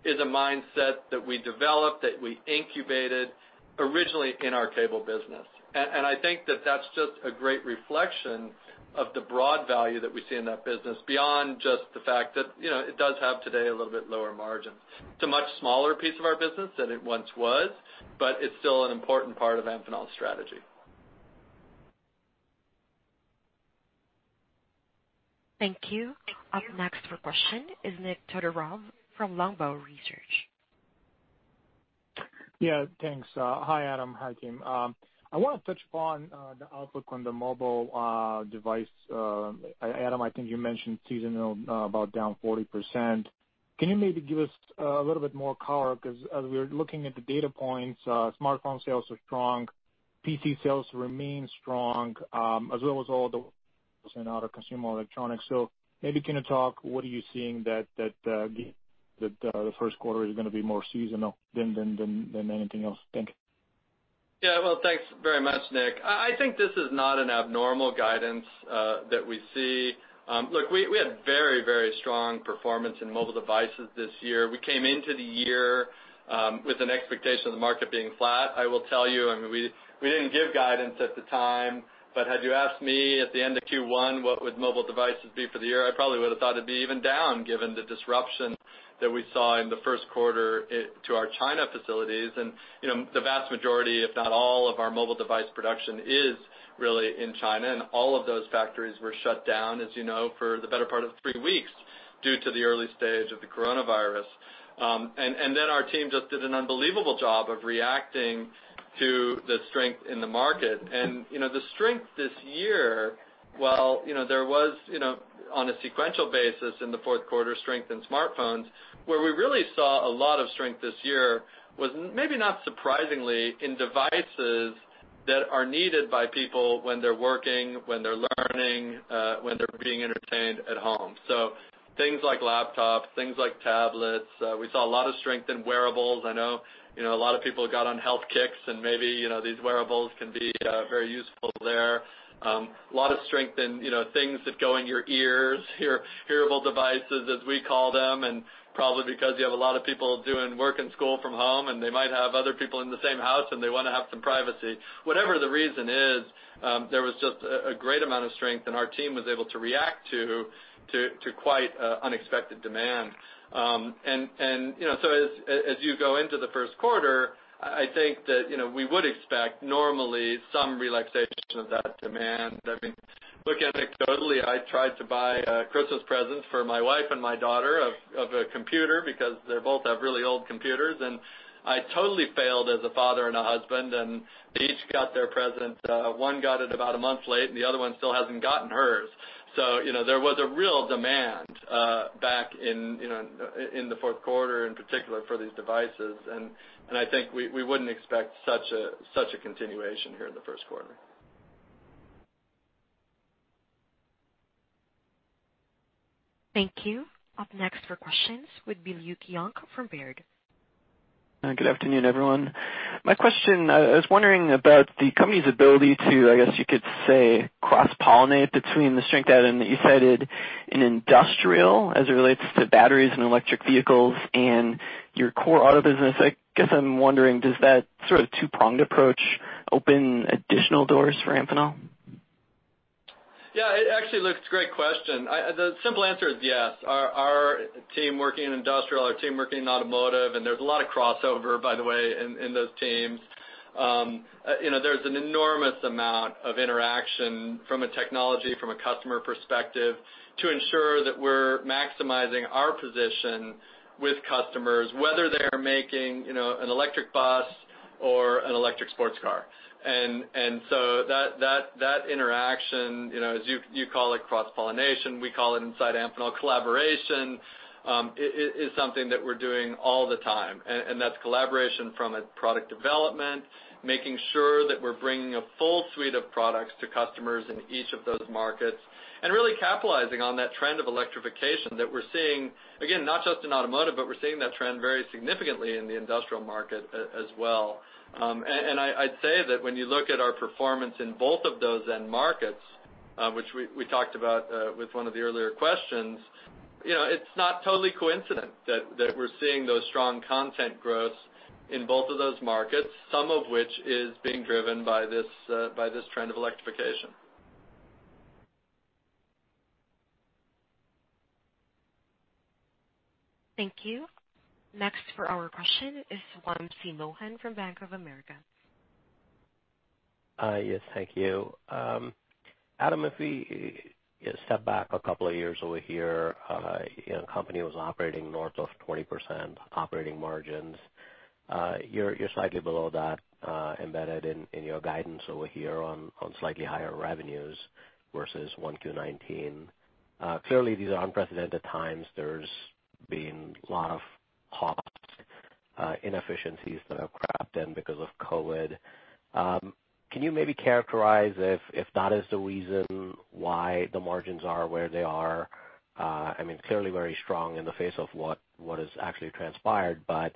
is a mindset that we developed, that we incubated originally in our cable business. I think that's just a great reflection of the broad value that we see in that business beyond just the fact that it does have today a little bit lower margin. It's a much smaller piece of our business than it once was, but it's still an important part of Amphenol's strategy. Thank you. Up next for question is Nick Todorov from Longbow Research. Yeah, thanks. Hi, Adam. Hi, Craig. I want to touch upon the outlook on the mobile device. Adam, I think you mentioned seasonal about down 40%. Can you maybe give us a little bit more color? Because as we're looking at the data points, smartphone sales are strong, PC sales remain strong, as well as all the in other consumer electronics. Maybe can you talk, what are you seeing that the first quarter is going to be more seasonal than anything else? Thank you. Yeah. Well, thanks very much, Nick. I think this is not an abnormal guidance that we see. Look, we had very strong performance in mobile devices this year. We came into the year with an expectation of the market being flat. I will tell you, we didn't give guidance at the time, but had you asked me at the end of Q1 what would mobile devices be for the year, I probably would have thought it'd be even down given the disruption that we saw in the first quarter to our China facilities. The vast majority, if not all of our mobile device production is really in China, and all of those factories were shut down, as you know, for the better part of three weeks due to the early stage of the coronavirus. Our team just did an unbelievable job of reacting to the strength in the market. The strength this year, while there was, on a sequential basis in the fourth quarter, strength in smartphones, where we really saw a lot of strength this year was maybe not surprisingly in devices that are needed by people when they're working, when they're learning, when they're being entertained at home. Things like laptops, things like tablets. We saw a lot of strength in wearables. I know a lot of people got on health kicks and maybe these wearables can be very useful there. A lot of strength in things that go in your ears, hearable devices, as we call them, and probably because you have a lot of people doing work and school from home, and they might have other people in the same house, and they want to have some privacy. Whatever the reason is, there was just a great amount of strength and our team was able to react to quite unexpected demand. As you go into the first quarter, I think that we would expect normally some relaxation of that demand. Look, anecdotally, I tried to buy Christmas presents for my wife and my daughter of a computer because they both have really old computers. I totally failed as a father and a husband. They each got their present. One got it about a month late, and the other one still hasn't gotten hers. There was a real demand back in the fourth quarter, in particular, for these devices, and I think we wouldn't expect such a continuation here in the first quarter. Thank you. Up next for questions would be Luke Junk from Baird. Good afternoon, everyone. My question, I was wondering about the company's ability to, I guess you could say, cross-pollinate between the strength add-in that you cited in industrial as it relates to batteries and electric vehicles and your core auto business. I guess I'm wondering, does that sort of two-pronged approach open additional doors for Amphenol? Yeah. It actually, Luke, it's a great question. The simple answer is yes. Our team working in industrial, our team working in automotive, there's a lot of crossover, by the way, in those teams. There's an enormous amount of interaction from a technology, from a customer perspective to ensure that we're maximizing our position with customers, whether they're making an electric bus or an electric sports car. That interaction, as you call it, cross-pollination, we call it inside Amphenol collaboration, is something that we're doing all the time. That's collaboration from a product development, making sure that we're bringing a full suite of products to customers in each of those markets, and really capitalizing on that trend of electrification that we're seeing, again, not just in automotive, but we're seeing that trend very significantly in the industrial market as well. I'd say that when you look at our performance in both of those end markets, which we talked about with one of the earlier questions, it's not totally coincident that we're seeing those strong content growths in both of those markets, some of which is being driven by this trend of electrification. Thank you. Next for our question is Wamsi Mohan from Bank of America. Yes. Thank you. Adam, if we step back a couple of years over here, company was operating north of 20% operating margins. You're slightly below that, embedded in your guidance over here on slightly higher revenues versus 1Q19. Clearly, these are unprecedented times. There's been a lot of cost inefficiencies that have cropped in because of COVID-19. Can you maybe characterize if that is the reason why the margins are where they are? I mean, clearly very strong in the face of what has actually transpired, but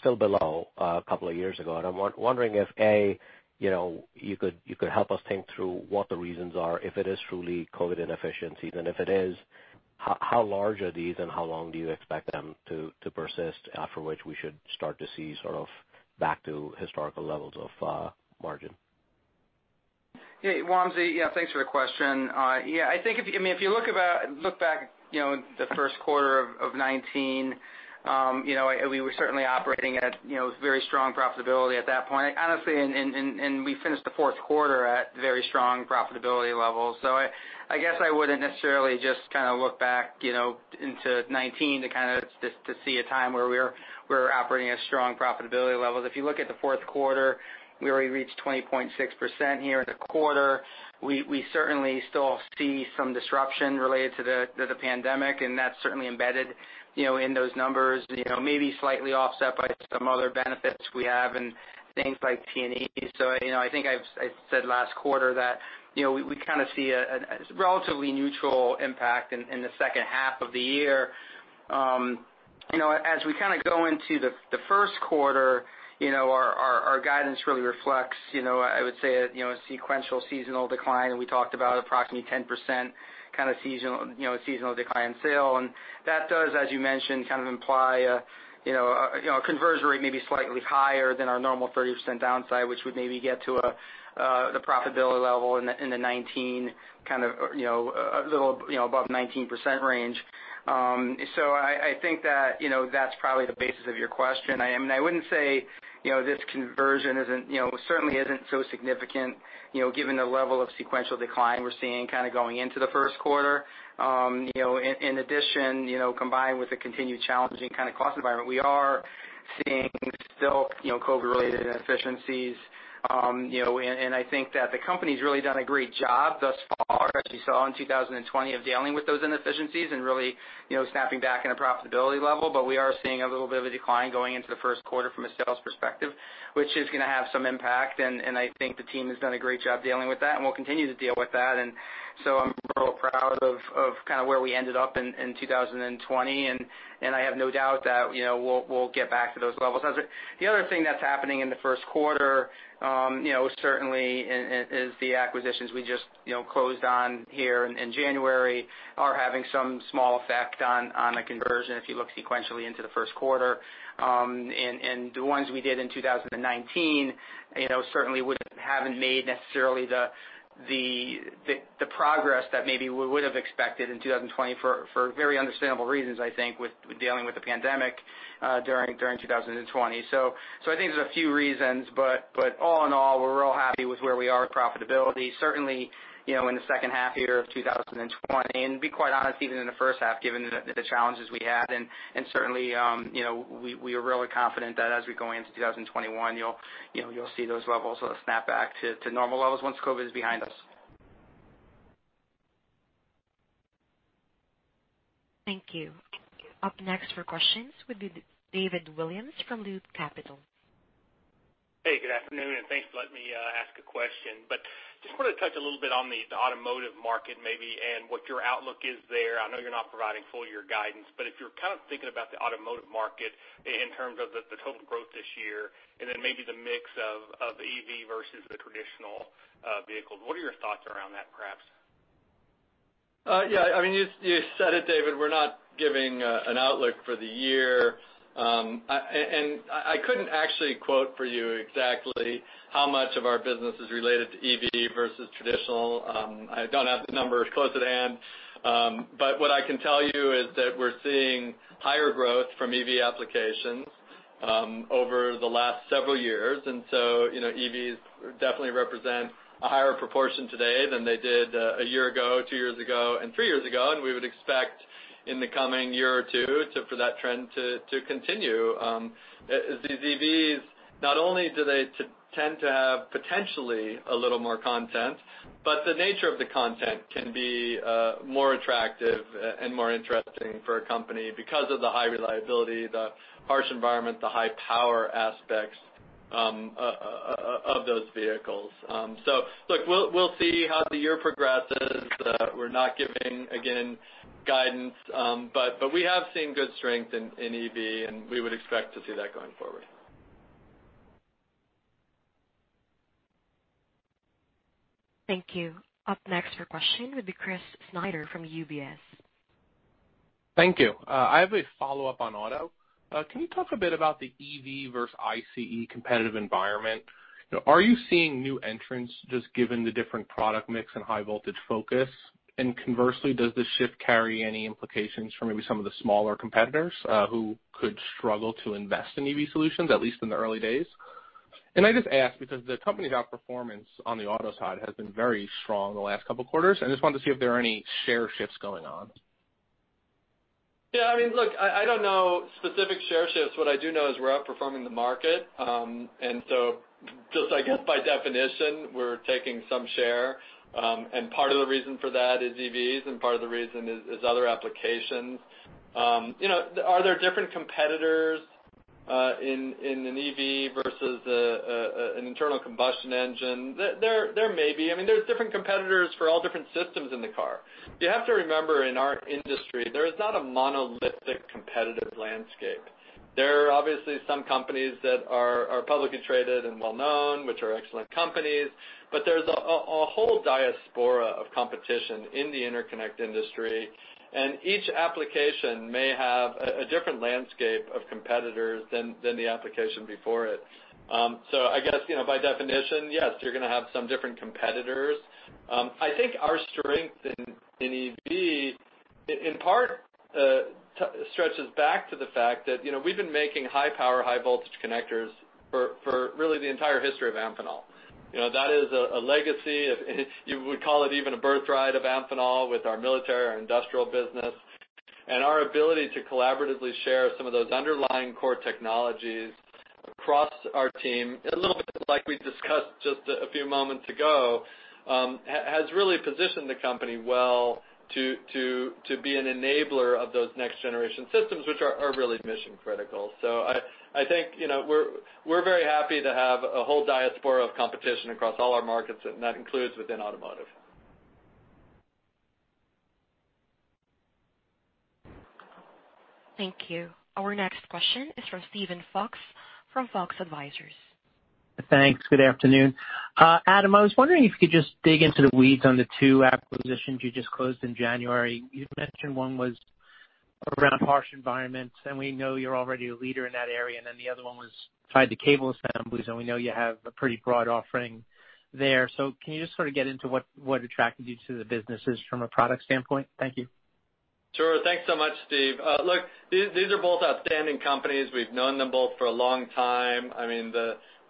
still below a couple of years ago. I'm wondering if, A, you could help us think through what the reasons are, if it is truly COVID-19 inefficiencies, and if it is, how large are these and how long do you expect them to persist after which we should start to see sort of back to historical levels of margin? Hey, Wamsi. Yeah, thanks for the question. Yeah, I think if you look back the first quarter of 2019, we were certainly operating at very strong profitability at that point, honestly, and we finished the fourth quarter at very strong profitability levels. I guess I wouldn't necessarily just kind of look back into 2019 to kind of just to see a time where we're operating at strong profitability levels. If you look at the fourth quarter, we already reached 20.6% here in the quarter. We certainly still see some disruption related to the pandemic, and that's certainly embedded in those numbers, maybe slightly offset by some other benefits we have in things like T&E. I think I said last quarter that we kind of see a relatively neutral impact in the second half of the year. As we kind of go into the first quarter, our guidance really reflects, I would say, a sequential seasonal decline. We talked about approximately 10% kind of seasonal decline sale. That does, as you mentioned, kind of imply a conversion rate maybe slightly higher than our normal 30% downside, which would maybe get to the profitability level in the 19 kind of, a little above 19% range. I think that's probably the basis of your question. I mean, I wouldn't say this conversion certainly isn't so significant given the level of sequential decline we're seeing kind of going into the first quarter. In addition, combined with the continued challenging kind of cost environment, we are seeing still COVID-19 related inefficiencies. I think that the company's really done a great job thus far, as you saw in 2020, of dealing with those inefficiencies and really snapping back in a profitability level. We are seeing a little bit of a decline going into the first quarter from a sales perspective, which is going to have some impact. I think the team has done a great job dealing with that, and we'll continue to deal with that. I'm real proud of kind of where we ended up in 2020, and I have no doubt that we'll get back to those levels. The other thing that's happening in the first quarter certainly is the acquisitions we just closed on here in January are having some small effect on the conversion, if you look sequentially into the first quarter. The ones we did in 2019 certainly haven't made necessarily the progress that maybe we would have expected in 2020 for very understandable reasons, I think, with dealing with the pandemic during 2020. I think there's a few reasons, but all in all, we're real happy with where we are with profitability. Certainly, in the second half year of 2020, and to be quite honest, even in the first half, given the challenges we had, and certainly we are really confident that as we go into 2021, you'll see those levels snap back to normal levels once COVID-19 is behind us. Thank you. Up next for questions will be David Williams from Loop Capital. Good afternoon, and thanks for letting me ask a question. Just want to touch a little bit on the automotive market maybe and what your outlook is there. I know you're not providing full year guidance. If you're kind of thinking about the automotive market in terms of the total growth this year and then maybe the mix of EV versus the traditional vehicles, what are your thoughts around that, perhaps? Yeah, you said it, David. We're not giving an outlook for the year. I couldn't actually quote for you exactly how much of our business is related to EV versus traditional. I don't have the numbers close at hand. What I can tell you is that we're seeing higher growth from EV applications, over the last several years. EVs definitely represent a higher proportion today than they did a year ago, two years ago, and three years ago. We would expect in the coming year or two for that trend to continue. These EVs, not only do they tend to have potentially a little more content, but the nature of the content can be more attractive and more interesting for a company because of the high reliability, the harsh environment, the high power aspects of those vehicles. Look, we'll see how the year progresses. We're not giving, again, guidance, but we have seen good strength in EV, and we would expect to see that going forward. Thank you. Up next for question would be Chris Snyder from UBS. Thank you. I have a follow-up on auto. Can you talk a bit about the EV versus ICE competitive environment? Are you seeing new entrants just given the different product mix and high voltage focus? Conversely, does this shift carry any implications for maybe some of the smaller competitors who could struggle to invest in EV solutions, at least in the early days? I just ask because the company's outperformance on the auto side has been very strong the last couple of quarters, and just wanted to see if there are any share shifts going on. Yeah, look, I don't know specific share shifts. What I do know is we're outperforming the market. Just, I guess by definition, we're taking some share. Part of the reason for that is EVs, and part of the reason is other applications. Are there different competitors in an EV versus an internal combustion engine? There may be. There's different competitors for all different systems in the car. You have to remember, in our industry, there is not a monolithic competitive landscape. There are obviously some companies that are publicly traded and well-known, which are excellent companies, there's a whole diaspora of competition in the interconnect industry, each application may have a different landscape of competitors than the application before it. I guess by definition, yes, you're going to have some different competitors. I think our strength in EV, in part, stretches back to the fact that we've been making high power, high voltage connectors for really the entire history of Amphenol. That is a legacy of, you would call it even a birthright of Amphenol with our military, our industrial business, and our ability to collaboratively share some of those underlying core technologies across our team, a little bit like we discussed just a few moments ago, has really positioned the company well to be an enabler of those next generation systems, which are really mission critical. I think we're very happy to have a whole diaspora of competition across all our markets, and that includes within automotive. Thank you. Our next question is from Steven Fox, from Fox Advisors. Thanks. Good afternoon. Adam, I was wondering if you could just dig into the weeds on the two acquisitions you just closed in January. You mentioned one was around harsh environments, and we know you're already a leader in that area, and then the other one was tied to cable assemblies, and we know you have a pretty broad offering there. Can you just sort of get into what attracted you to the businesses from a product standpoint? Thank you. Thanks so much, Steven. Look, these are both outstanding companies. We've known them both for a long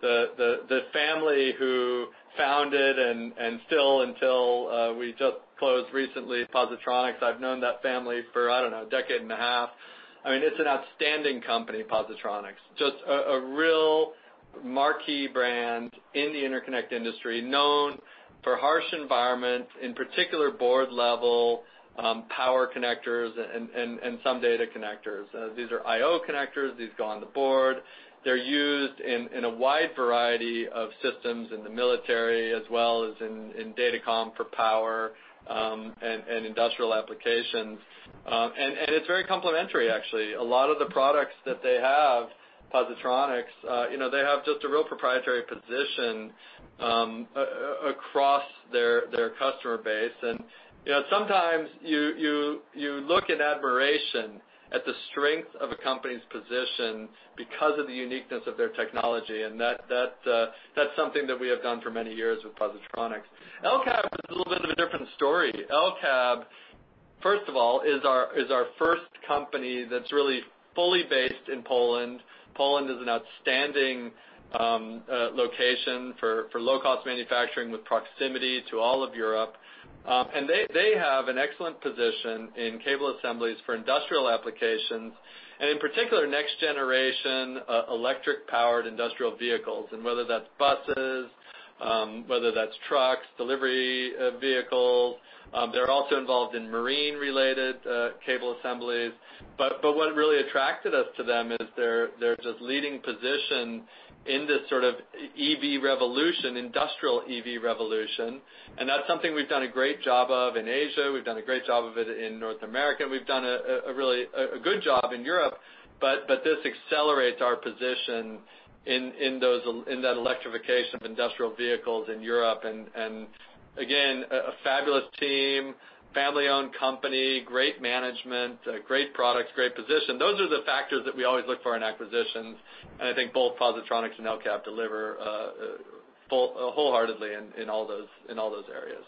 time. The family who founded and still until we just closed recently, Positronic, I've known that family for, I don't know, a decade and a half. It's an outstanding company, Positronic, just a real marquee brand in the interconnect industry, known for harsh environments, in particular board level, power connectors and some data connectors. These are I/O connectors. These go on the board. They're used in a wide variety of systems in the military as well as in datacom for power and industrial applications. It's very complementary, actually. A lot of the products that they have, Positronic, they have just a real proprietary position across their customer base. Sometimes you look in admiration at the strength of a company's position because of the uniqueness of their technology, and that's something that we have done for many years with Positronic. Elcab is a little bit of a different story. Elcab, first of all, is our first company that's really fully based in Poland. Poland is an outstanding location for low-cost manufacturing with proximity to all of Europe. They have an excellent position in cable assemblies for industrial applications and in particular, next generation electric powered industrial vehicles. Whether that's buses, whether that's trucks, delivery vehicles. They're also involved in marine-related cable assemblies. What really attracted us to them is their just leading position in this sort of EV revolution, industrial EV revolution. That's something we've done a great job of in Asia, we've done a great job of it in North America, and we've done a good job in Europe. This accelerates our position in that electrification of industrial vehicles in Europe. Again, a fabulous team, family-owned company, great management, great products, great position. Those are the factors that we always look for in acquisitions, and I think both Positronic and El-Cab deliver wholeheartedly in all those areas.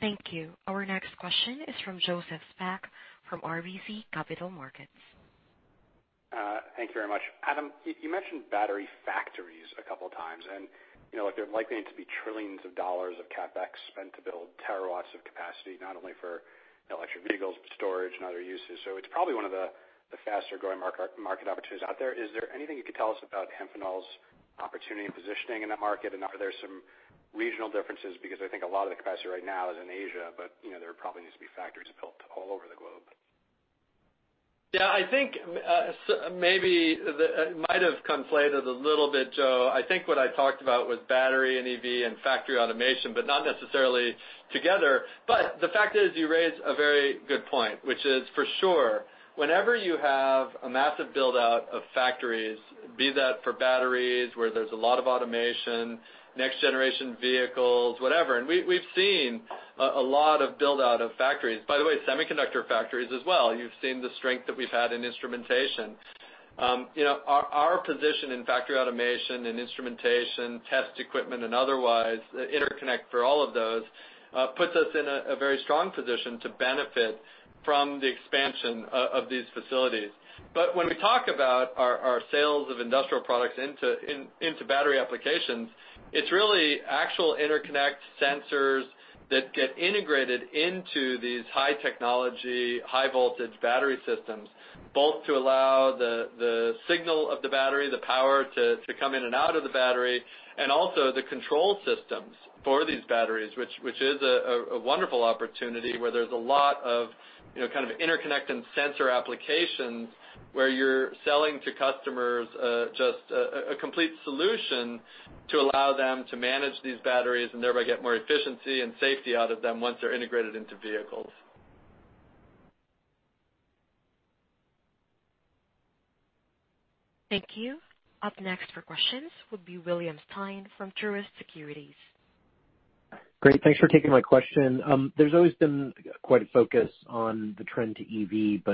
Thank you. Our next question is from Joseph Spak from RBC Capital Markets. Thank you very much. Adam, you mentioned battery factories a couple times, and there's likely to be trillions of dollars of CapEx spent to build terawatts of capacity, not only for electric vehicles, but storage and other uses. It's probably one of the faster-growing market opportunities out there. Is there anything you could tell us about Amphenol's opportunity and positioning in that market? Are there some regional differences? I think a lot of the capacity right now is in Asia, but there probably needs to be factories built all over the globe. Yeah, I think maybe it might have conflated a little bit, Joe. I think what I talked about was battery and EV and factory automation, but not necessarily together. The fact is, you raise a very good point, which is for sure, whenever you have a massive build-out of factories, be that for batteries, where there's a lot of automation, next generation vehicles, whatever. We've seen a lot of build-out of factories. By the way, semiconductor factories as well. You've seen the strength that we've had in instrumentation. Our position in factory automation and instrumentation, test equipment, and otherwise, the interconnect for all of those, puts us in a very strong position to benefit from the expansion of these facilities. When we talk about our sales of industrial products into battery applications, it's really actual interconnect sensors that get integrated into these high technology, high voltage battery systems, both to allow the signal of the battery, the power to come in and out of the battery, and also the control systems for these batteries. Which is a wonderful opportunity where there's a lot of kind of interconnect and sensor applications where you're selling to customers just a complete solution to allow them to manage these batteries and thereby get more efficiency and safety out of them once they're integrated into vehicles. Thank you. Up next for questions will be William Stein from Truist Securities. Great. Thanks for taking my question.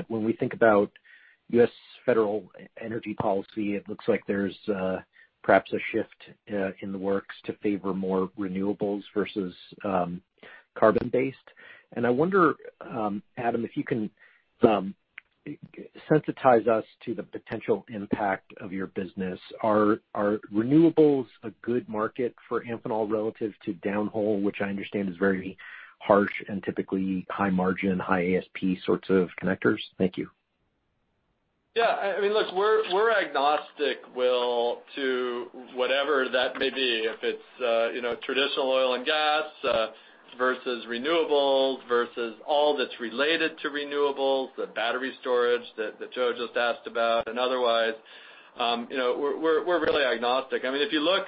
When we think about U.S. federal energy policy, it looks like there's perhaps a shift in the works to favor more renewables versus carbon-based. I wonder, Adam, if you can sensitize us to the potential impact of your business. Are renewables a good market for Amphenol relative to downhole, which I understand is very harsh and typically high margin, high ASP sorts of connectors? Thank you. Yeah. Look, we're agnostic, Will, to whatever that may be. If it's traditional oil and gas versus renewables versus all that's related to renewables, the battery storage that Joe just asked about and otherwise. We're really agnostic. If you look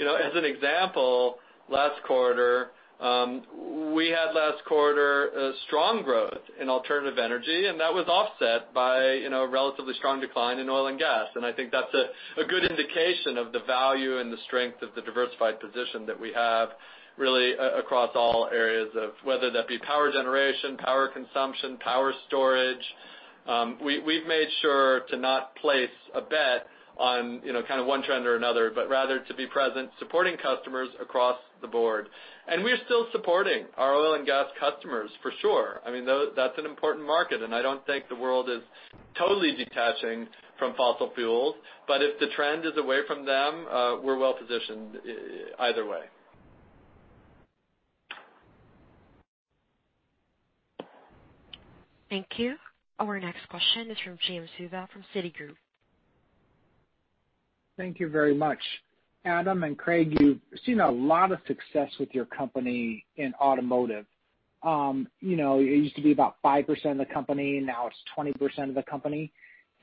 as an example, last quarter, we had last quarter a strong growth in alternative energy, and that was offset by a relatively strong decline in oil and gas. I think that's a good indication of the value and the strength of the diversified position that we have really across all areas of, whether that be power generation, power consumption, power storage. We've made sure to not place a bet on kind of one trend or another, but rather to be present supporting customers across the board. We're still supporting our oil and gas customers for sure. That's an important market, and I don't think the world is totally detaching from fossil fuels. If the trend is away from them, we're well positioned either way. Thank you. Our next question is from Jim Suva from Citigroup. Thank you very much. Adam and Craig, you've seen a lot of success with your company in automotive. It used to be about 5% of the company, now it's 20% of the company.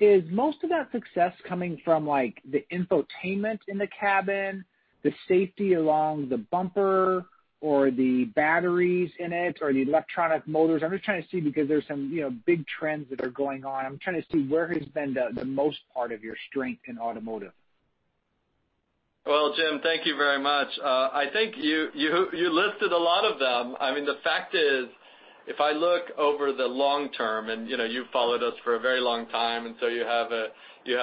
Is most of that success coming from the infotainment in the cabin, the safety along the bumper or the batteries in it, or the electronic motors? I'm just trying to see because there's some big trends that are going on. I'm trying to see where has been the most part of your strength in automotive. Well, Jim, thank you very much. I think you listed a lot of them. The fact is, if I look over the long term, you've followed us for a very long time, you have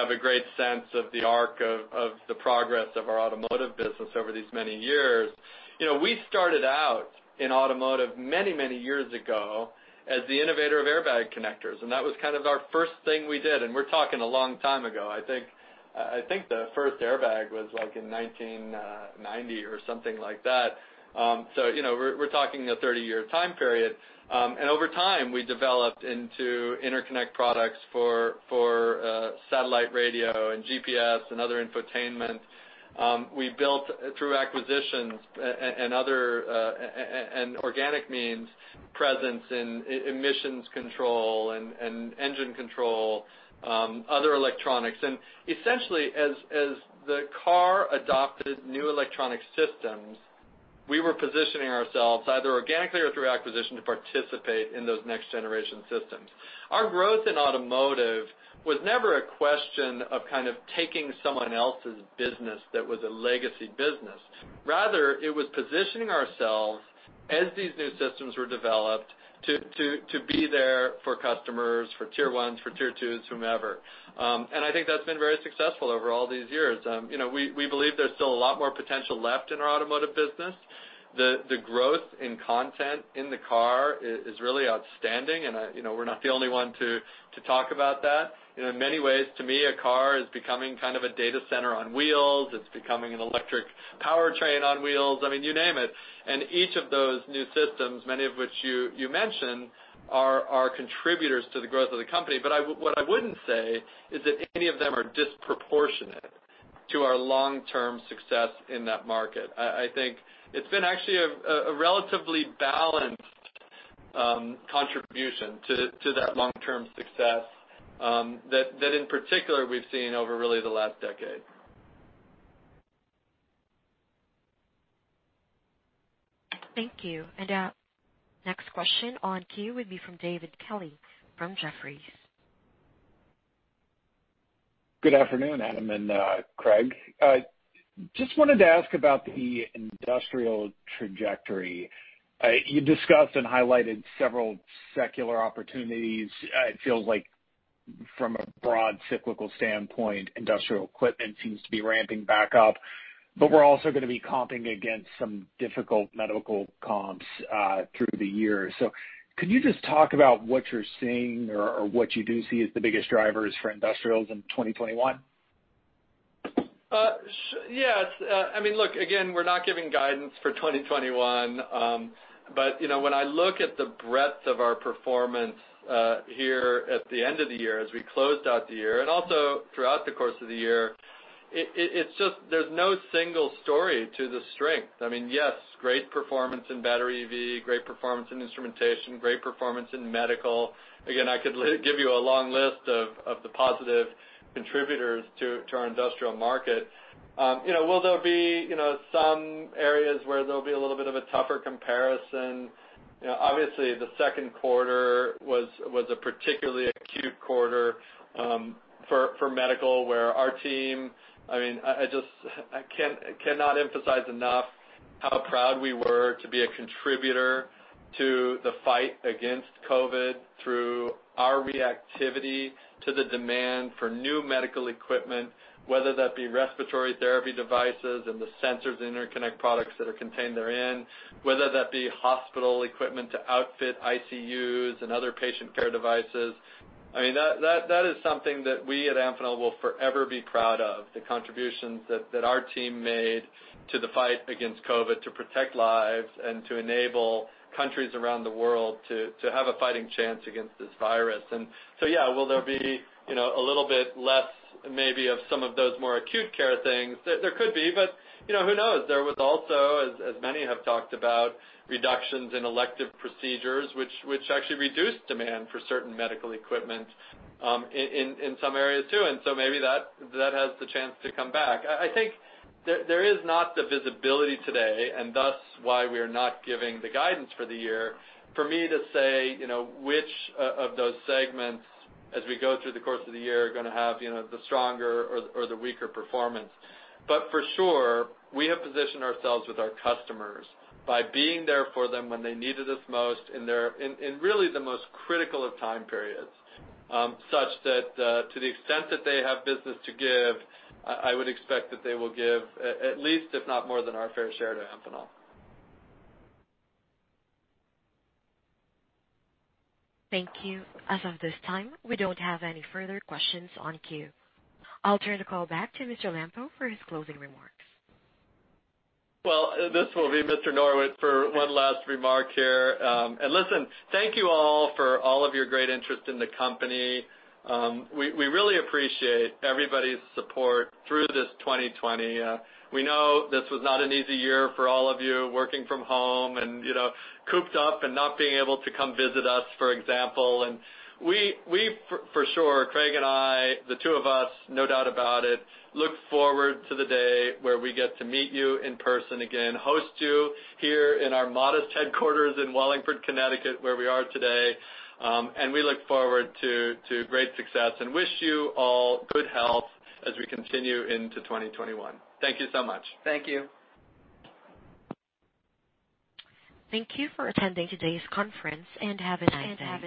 a great sense of the arc of the progress of our automotive business over these many years. We started out in automotive many years ago as the innovator of airbag connectors, that was kind of our first thing we did, we're talking a long time ago. I think the first airbag was in 1990 or something like that. We're talking a 30-year time period. Over time, we developed into interconnect products for satellite radio and GPS and other infotainment. We built through acquisitions and organic means, presence in emissions control and engine control, other electronics. Essentially, as the car adopted new electronic systems, we were positioning ourselves either organically or through acquisition to participate in those next generation systems. Our growth in automotive was never a question of kind of taking someone else's business that was a legacy business. Rather, it was positioning ourselves as these new systems were developed to be there for customers, for tier ones, for tier twos, whomever. I think that's been very successful over all these years. We believe there's still a lot more potential left in our automotive business. The growth in content in the car is really outstanding, and we're not the only one to talk about that. In many ways, to me, a car is becoming kind of a data center on wheels. It's becoming an electric powertrain on wheels. I mean, you name it. Each of those new systems, many of which you mentioned, are contributors to the growth of the company. What I wouldn't say is that any of them are disproportionate to our long-term success in that market. I think it's been actually a relatively balanced contribution to that long-term success that in particular, we've seen over really the last decade. Thank you. Our next question on queue would be from David Kelley from Jefferies. Good afternoon, Adam and Craig. Just wanted to ask about the industrial trajectory. You discussed and highlighted several secular opportunities. It feels like from a broad cyclical standpoint, industrial equipment seems to be ramping back up, but we're also going to be comping against some difficult medical comps through the year. Could you just talk about what you're seeing or what you do see as the biggest drivers for industrials in 2021? Yeah. Look, again, we're not giving guidance for 2021. When I look at the breadth of our performance here at the end of the year, as we closed out the year, and also throughout the course of the year, there's no single story to the strength. Yes, great performance in battery EV, great performance in instrumentation, great performance in medical. Again, I could give you a long list of the positive contributors to our industrial market. Will there be some areas where there'll be a little bit of a tougher comparison? Obviously, the second quarter was a particularly acute quarter for medical, where our team, I cannot emphasize enough how proud we were to be a contributor to the fight against COVID-19 through our reactivity to the demand for new medical equipment, whether that be respiratory therapy devices and the sensors and interconnect products that are contained therein, whether that be hospital equipment to outfit ICUs and other patient care devices. That is something that we at Amphenol will forever be proud of, the contributions that our team made to the fight against COVID-19 to protect lives and to enable countries around the world to have a fighting chance against this virus. Yeah, will there be a little bit less maybe of some of those more acute care things? There could be. Who knows? There was also, as many have talked about, reductions in elective procedures, which actually reduced demand for certain medical equipment in some areas too. Maybe that has the chance to come back. I think there is not the visibility today, and thus why we are not giving the guidance for the year for me to say which of those segments as we go through the course of the year are going to have the stronger or the weaker performance. For sure, we have positioned ourselves with our customers by being there for them when they needed us most in really the most critical of time periods. Such that to the extent that they have business to give, I would expect that they will give at least if not more than our fair share to Amphenol. Thank you. As of this time, we don't have any further questions on queue. I'll turn the call back to Mr. Lampo for his closing remarks. Well, this will be Mr. Norwitt for one last remark here. Listen, thank you all for all of your great interest in the company. We really appreciate everybody's support through this 2020. We know this was not an easy year for all of you working from home and cooped up and not being able to come visit us, for example. We, for sure, Craig and I, the two of us, no doubt about it, look forward to the day where we get to meet you in person again, host you here in our modest headquarters in Wallingford, Connecticut, where we are today. We look forward to great success and wish you all good health as we continue into 2021. Thank you so much. Thank you. Thank you for attending today's conference, and have a nice day.